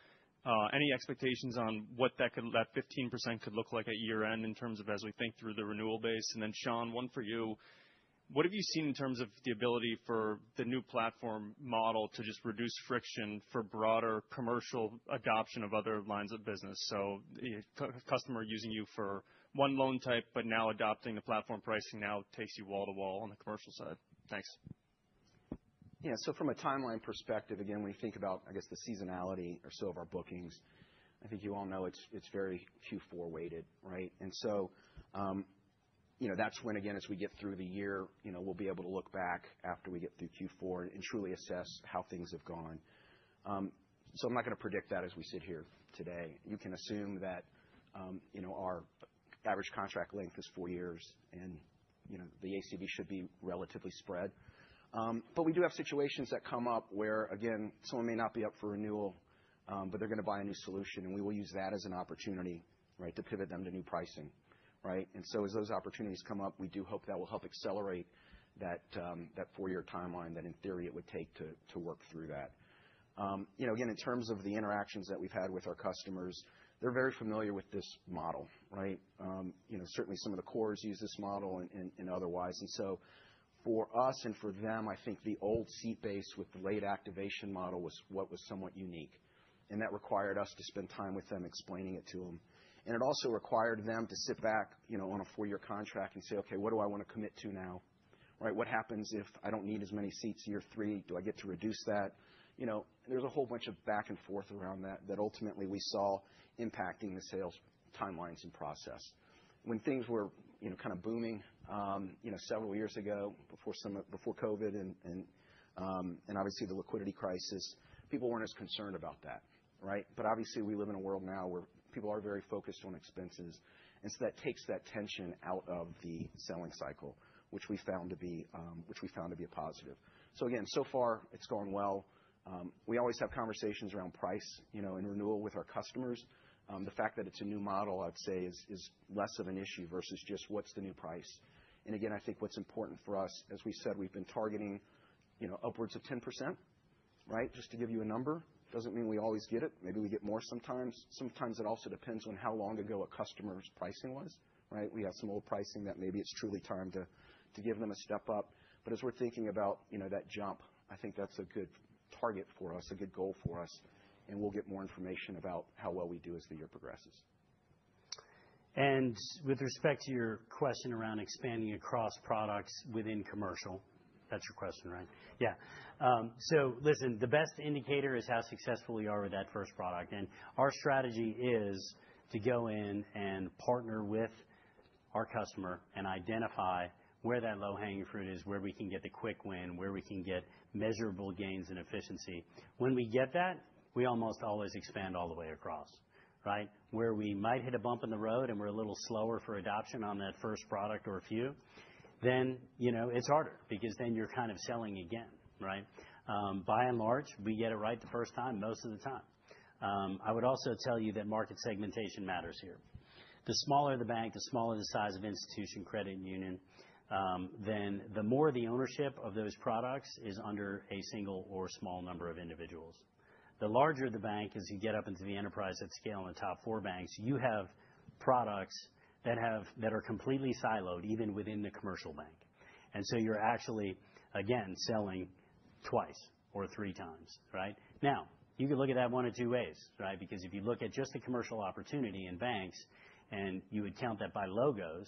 Any expectations on what that 15% could look like at year-end in terms of as we think through the renewal base? Then Sean, one for you. What have you seen in terms of the ability for the new platform model to just reduce friction for broader commercial adoption of other lines of business? A customer using you for one loan type, but now adopting the platform pricing now takes you wall to wall on the commercial side. Thanks. Yeah. From a timeline perspective, again, when you think about, I guess, the seasonality or so of our bookings, I think you all know it is very Q4 weighted, right? That is when, again, as we get through the year, we will be able to look back after we get through Q4 and truly assess how things have gone. I am not going to predict that as we sit here today. You can assume that our average contract length is four years, and the ACV should be relatively spread. We do have situations that come up where, again, someone may not be up for renewal, but they are going to buy a new solution, and we will use that as an opportunity, right, to pivot them to new pricing, right? As those opportunities come up, we do hope that will help accelerate that four-year timeline that in theory it would take to work through that. Again, in terms of the interactions that we've had with our customers, they're very familiar with this model, right? Certainly, some of the cores use this model and otherwise. For us and for them, I think the old seat base with the late activation model was what was somewhat unique. That required us to spend time with them explaining it to them. It also required them to sit back on a four-year contract and say, "Okay, what do I want to commit to now?" Right? What happens if I don't need as many seats year three? Do I get to reduce that? There's a whole bunch of back and forth around that that ultimately we saw impacting the sales timelines and process. When things were kind of booming several years ago before COVID and obviously the liquidity crisis, people were not as concerned about that, right? Obviously, we live in a world now where people are very focused on expenses. That takes that tension out of the selling cycle, which we found to be a positive. Again, so far, it's going well. We always have conversations around price and renewal with our customers. The fact that it's a new model, I'd say, is less of an issue versus just what's the new price. Again, I think what's important for us, as we said, we've been targeting upwards of 10%, right? Just to give you a number, does not mean we always get it. Maybe we get more sometimes. Sometimes it also depends on how long ago a customer's pricing was, right? We have some old pricing that maybe it's truly time to give them a step up. As we're thinking about that jump, I think that's a good target for us, a good goal for us. We'll get more information about how well we do as the year progresses. With respect to your question around expanding across products within commercial, that is your question, right? Yeah. Listen, the best indicator is how successful you are with that first product. Our strategy is to go in and partner with our customer and identify where that low-hanging fruit is, where we can get the quick win, where we can get measurable gains in efficiency. When we get that, we almost always expand all the way across, right? Where we might hit a bump in the road and we are a little slower for adoption on that first product or a few, then it is harder because then you are kind of selling again, right? By and large, we get it right the first time most of the time. I would also tell you that market segmentation matters here. The smaller the bank, the smaller the size of institution, credit, and union, then the more the ownership of those products is under a single or small number of individuals. The larger the bank, as you get up into the enterprise at scale in the top four banks, you have products that are completely siloed even within the commercial bank. You are actually, again, selling twice or three times, right? Now, you can look at that one of two ways, right? Because if you look at just the commercial opportunity in banks and you would count that by logos,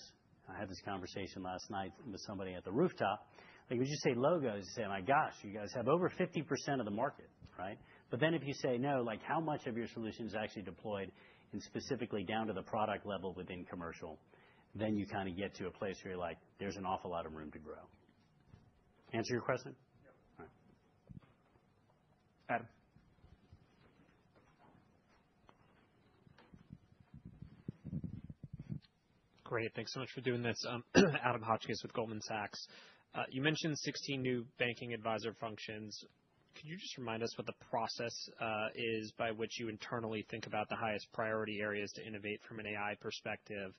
I had this conversation last night with somebody at the rooftop. Like when you just say logos, you say, "Oh my gosh, you guys have over 50% of the market," right? If you say, "No, like how much of your solution is actually deployed and specifically down to the product level within commercial," then you kind of get to a place where you're like, "There's an awful lot of room to grow." Answer your question? Yep. All right. Adam. Great. Thanks so much for doing this. Adam Hotchkiss with Goldman Sachs. You mentioned 16 new Banking Advisor functions. Could you just remind us what the process is by which you internally think about the highest priority areas to innovate from an AI perspective?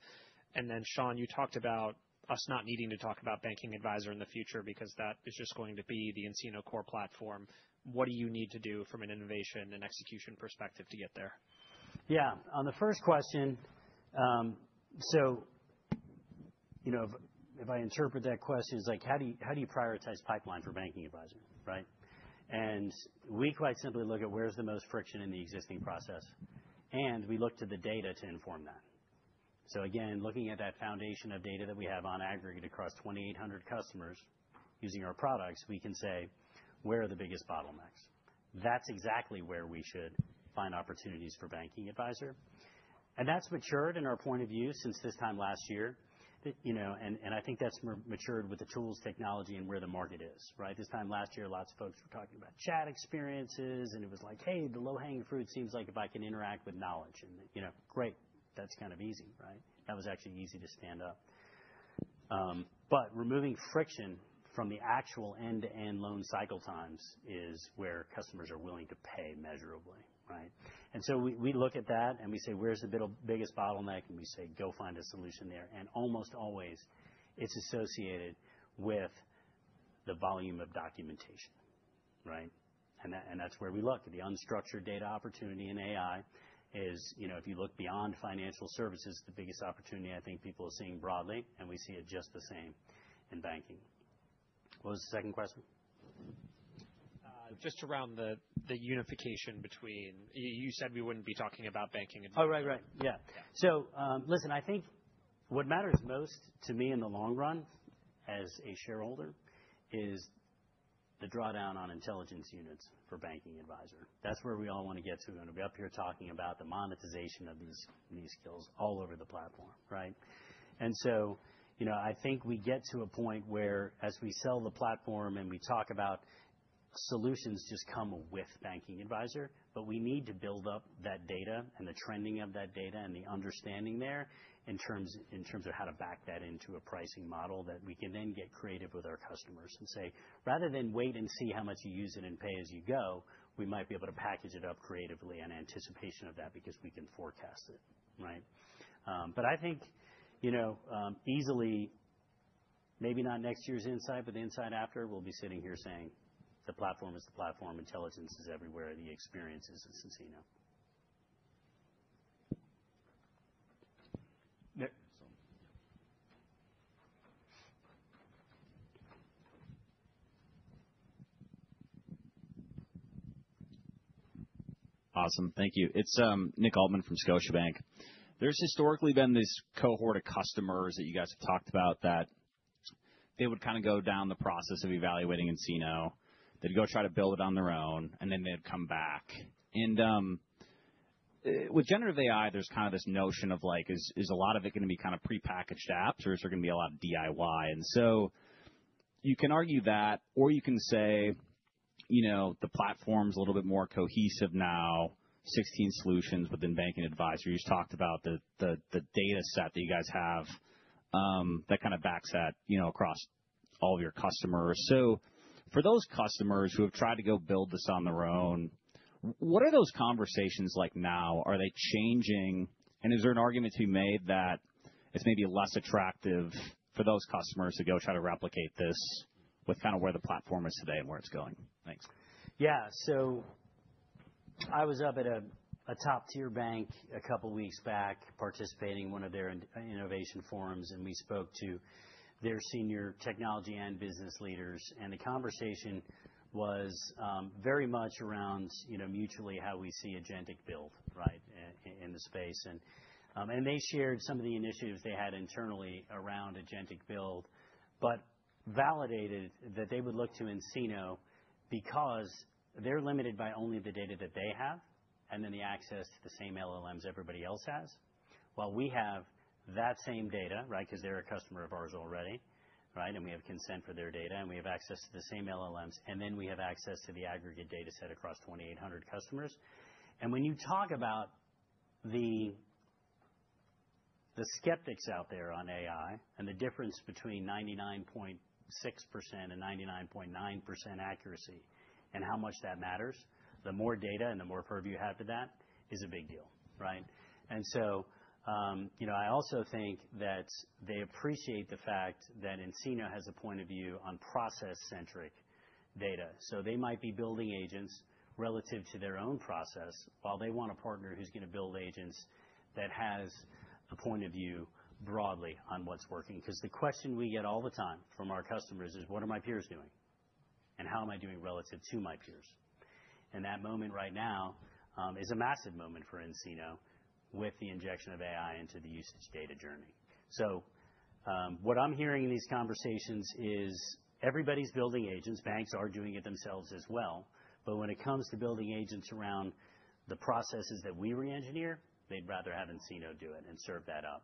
Then Sean, you talked about us not needing to talk about Banking Advisor in the future because that is just going to be the nCino core platform. What do you need to do from an innovation and execution perspective to get there? Yeah. On the first question, so if I interpret that question, it's like how do you prioritize pipeline for Banking Advisor, right? And we quite simply look at where's the most friction in the existing process. We look to the data to inform that. Again, looking at that foundation of data that we have on aggregate across 2,800 customers using our products, we can say, "Where are the biggest bottlenecks?" That's exactly where we should find opportunities for Banking Advisor. That's matured in our point of view since this time last year. I think that's matured with the tools, technology, and where the market is, right? This time last year, lots of folks were talking about chat experiences, and it was like, "Hey, the low-hanging fruit seems like if I can interact with knowledge." Great, that's kind of easy, right? That was actually easy to stand up. Removing friction from the actual end-to-end loan cycle times is where customers are willing to pay measurably, right? We look at that and we say, "Where's the biggest bottleneck?" We say, "Go find a solution there." Almost always, it's associated with the volume of documentation, right? That's where we look. The unstructured data opportunity in AI is, if you look beyond financial services, the biggest opportunity I think people are seeing broadly, and we see it just the same in banking. What was the second question? Just around the unification between you said we wouldn't be talking about Banking Advisor. Oh, right, right. Yeah. So listen, I think what matters most to me in the long run as a shareholder is the drawdown on Intelligence Units for Banking Advisor. That's where we all want to get to. We're going to be up here talking about the monetization of these skills all over the platform, right? I think we get to a point where as we sell the platform and we talk about solutions just come with Banking Advisor, but we need to build up that data and the trending of that data and the understanding there in terms of how to back that into a pricing model that we can then get creative with our customers and say, "Rather than wait and see how much you use it and pay as you go, we might be able to package it up creatively in anticipation of that because we can forecast it," right? I think easily, maybe not next year's insight, but the insight after, we'll be sitting here saying, "The platform is the platform. Intelligence is everywhere. The experience is nCino. Awesome. Thank you. It's Nick Altmann from Scotiabank. There's historically been this cohort of customers that you guys have talked about that they would kind of go down the process of evaluating nCino. They'd go try to build it on their own, and then they'd come back. With generative AI, there's kind of this notion of like, is a lot of it going to be kind of prepackaged apps or is there going to be a lot of DIY? You can argue that, or you can say the platform's a little bit more cohesive now, 16 solutions, but then Banking Advisor. You just talked about the data set that you guys have that kind of backs that across all of your customers. For those customers who have tried to go build this on their own, what are those conversations like now? Are they changing? Is there an argument to be made that it's maybe less attractive for those customers to go try to replicate this with kind of where the platform is today and where it's going? Thanks. Yeah. I was up at a top-tier bank a couple of weeks back participating in one of their innovation forums, and we spoke to their senior technology and business leaders. The conversation was very much around mutually how we see Agentic build, right, in the space. They shared some of the initiatives they had internally around Agentic build, but validated that they would look to nCino because they're limited by only the data that they have and then the access to the same LLMs everybody else has. While we have that same data, right, because they're a customer of ours already, right, and we have consent for their data, and we have access to the same LLMs, and then we have access to the aggregate data set across 2,800 customers. When you talk about the skeptics out there on AI and the difference between 99.6% and 99.9% accuracy and how much that matters, the more data and the more purview you have to that is a big deal, right? I also think that they appreciate the fact that nCino has a point of view on process-centric data. They might be building agents relative to their own process while they want a partner who's going to build agents that has a point of view broadly on what's working. The question we get all the time from our customers is, "What are my peers doing? And how am I doing relative to my peers?" That moment right now is a massive moment for nCino with the injection of AI into the usage data journey. What I'm hearing in these conversations is everybody's building agents. Banks are doing it themselves as well. When it comes to building agents around the processes that we re-engineer, they'd rather have nCino do it and serve that up.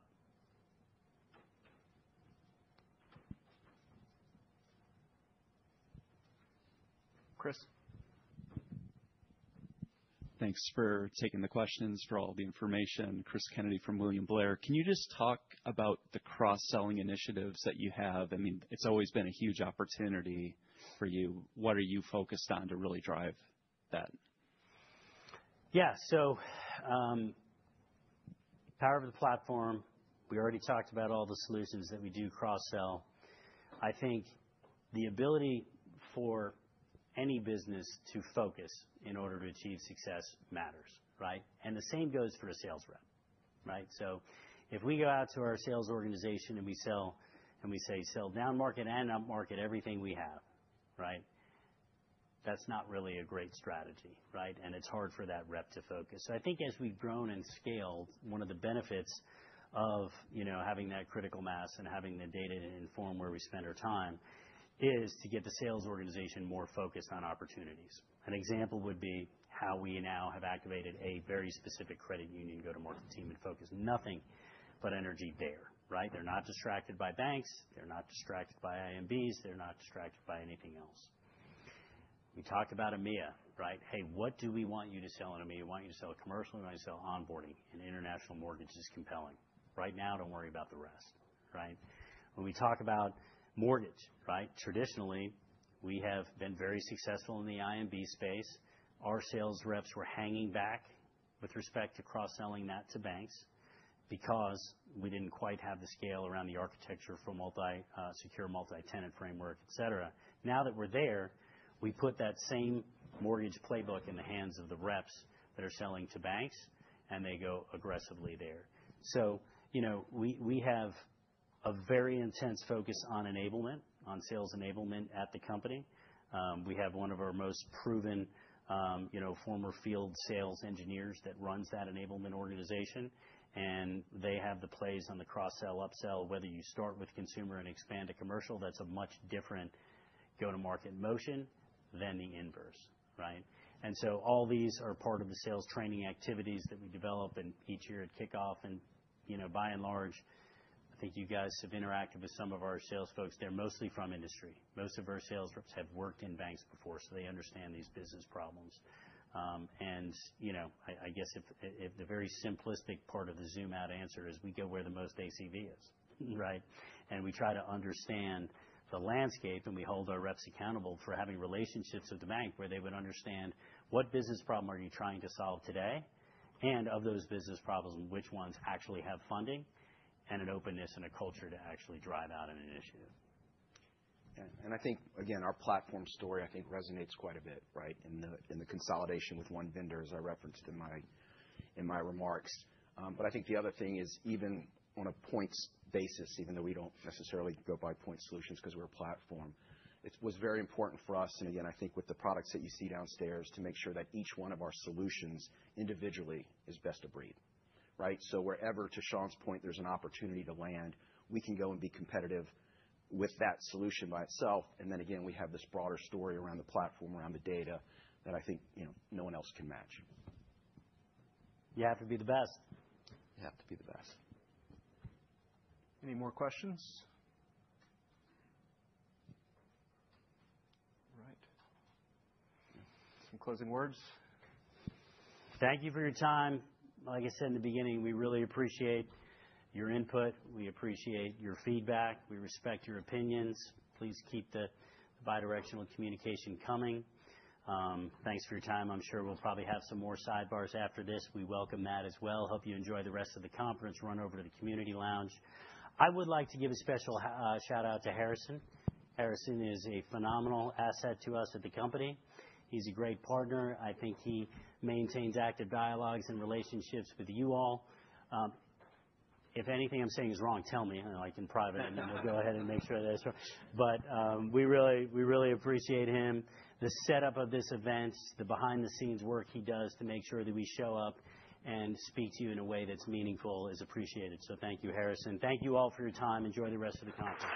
Cris. Thanks for taking the questions, for all the information. Cris Kennedy from William Blair. Can you just talk about the cross-selling initiatives that you have? I mean, it's always been a huge opportunity for you. What are you focused on to really drive that? Yeah. Power of the platform, we already talked about all the solutions that we do cross-sell. I think the ability for any business to focus in order to achieve success matters, right? The same goes for a sales rep, right? If we go out to our sales organization and we sell and we say, "Sell down market and up market everything we have," right? That's not really a great strategy, right? It's hard for that rep to focus. I think as we've grown and scaled, one of the benefits of having that critical mass and having the data to inform where we spend our time is to get the sales organization more focused on opportunities. An example would be how we now have activated a very specific credit union go-to-market team and focus nothing but energy there, right? They're not distracted by banks. They're not distracted by IMBs. They're not distracted by anything else. We talked about EMEA, right? Hey, what do we want you to sell in EMEA? We want you to sell commercial. We want you to sell onboarding. And international mortgage is compelling. Right now, do not worry about the rest, right? When we talk about mortgage, right? Traditionally, we have been very successful in the IMB space. Our sales reps were hanging back with respect to cross-selling that to banks because we did not quite have the scale around the architecture for multi-secure, multi-tenant framework, etc. Now that we are there, we put that same mortgage playbook in the hands of the reps that are selling to banks, and they go aggressively there. We have a very intense focus on enablement, on sales enablement at the company. We have one of our most proven former field sales engineers that runs that enablement organization. They have the plays on the cross-sell, up-sell, whether you start with consumer and expand to commercial. That is a much different go-to-market motion than the inverse, right? All these are part of the sales training activities that we develop each year at kickoff. By and large, I think you guys have interacted with some of our sales folks. They are mostly from industry. Most of our sales reps have worked in banks before, so they understand these business problems. I guess the very simplistic part of the zoom-out answer is we go where the most ACV is, right? We try to understand the landscape, and we hold our reps accountable for having relationships with the bank where they would understand what business problem are you trying to solve today, and of those business problems, which ones actually have funding and an openness and a culture to actually drive out an initiative. I think, again, our platform story, I think, resonates quite a bit, right, in the consolidation with one vendor as I referenced in my remarks. I think the other thing is even on a points basis, even though we do not necessarily go by point solutions because we are a platform, it was very important for us. Again, I think with the products that you see downstairs to make sure that each one of our solutions individually is best of breed, right? Wherever, to Sean's point, there is an opportunity to land, we can go and be competitive with that solution by itself. Again, we have this broader story around the platform, around the data that I think no one else can match. You have to be the best. You have to be the best. Any more questions? All right. Some closing words? Thank you for your time. Like I said in the beginning, we really appreciate your input. We appreciate your feedback. We respect your opinions. Please keep the bidirectional communication coming. Thanks for your time. I'm sure we'll probably have some more sidebars after this. We welcome that as well. Hope you enjoy the rest of the conference. Run over to the community lounge. I would like to give a special shout-out to Harrison. Harrison is a phenomenal asset to us at the company. He's a great partner. I think he maintains active dialogues and relationships with you all. If anything I'm saying is wrong, tell me in private, and then we'll go ahead and make sure that it's wrong. But we really appreciate him. The setup of this event, the behind-the-scenes work he does to make sure that we show up and speak to you in a way that's meaningful is appreciated. Thank you, Harrison. Thank you all for your time. Enjoy the rest of the conference.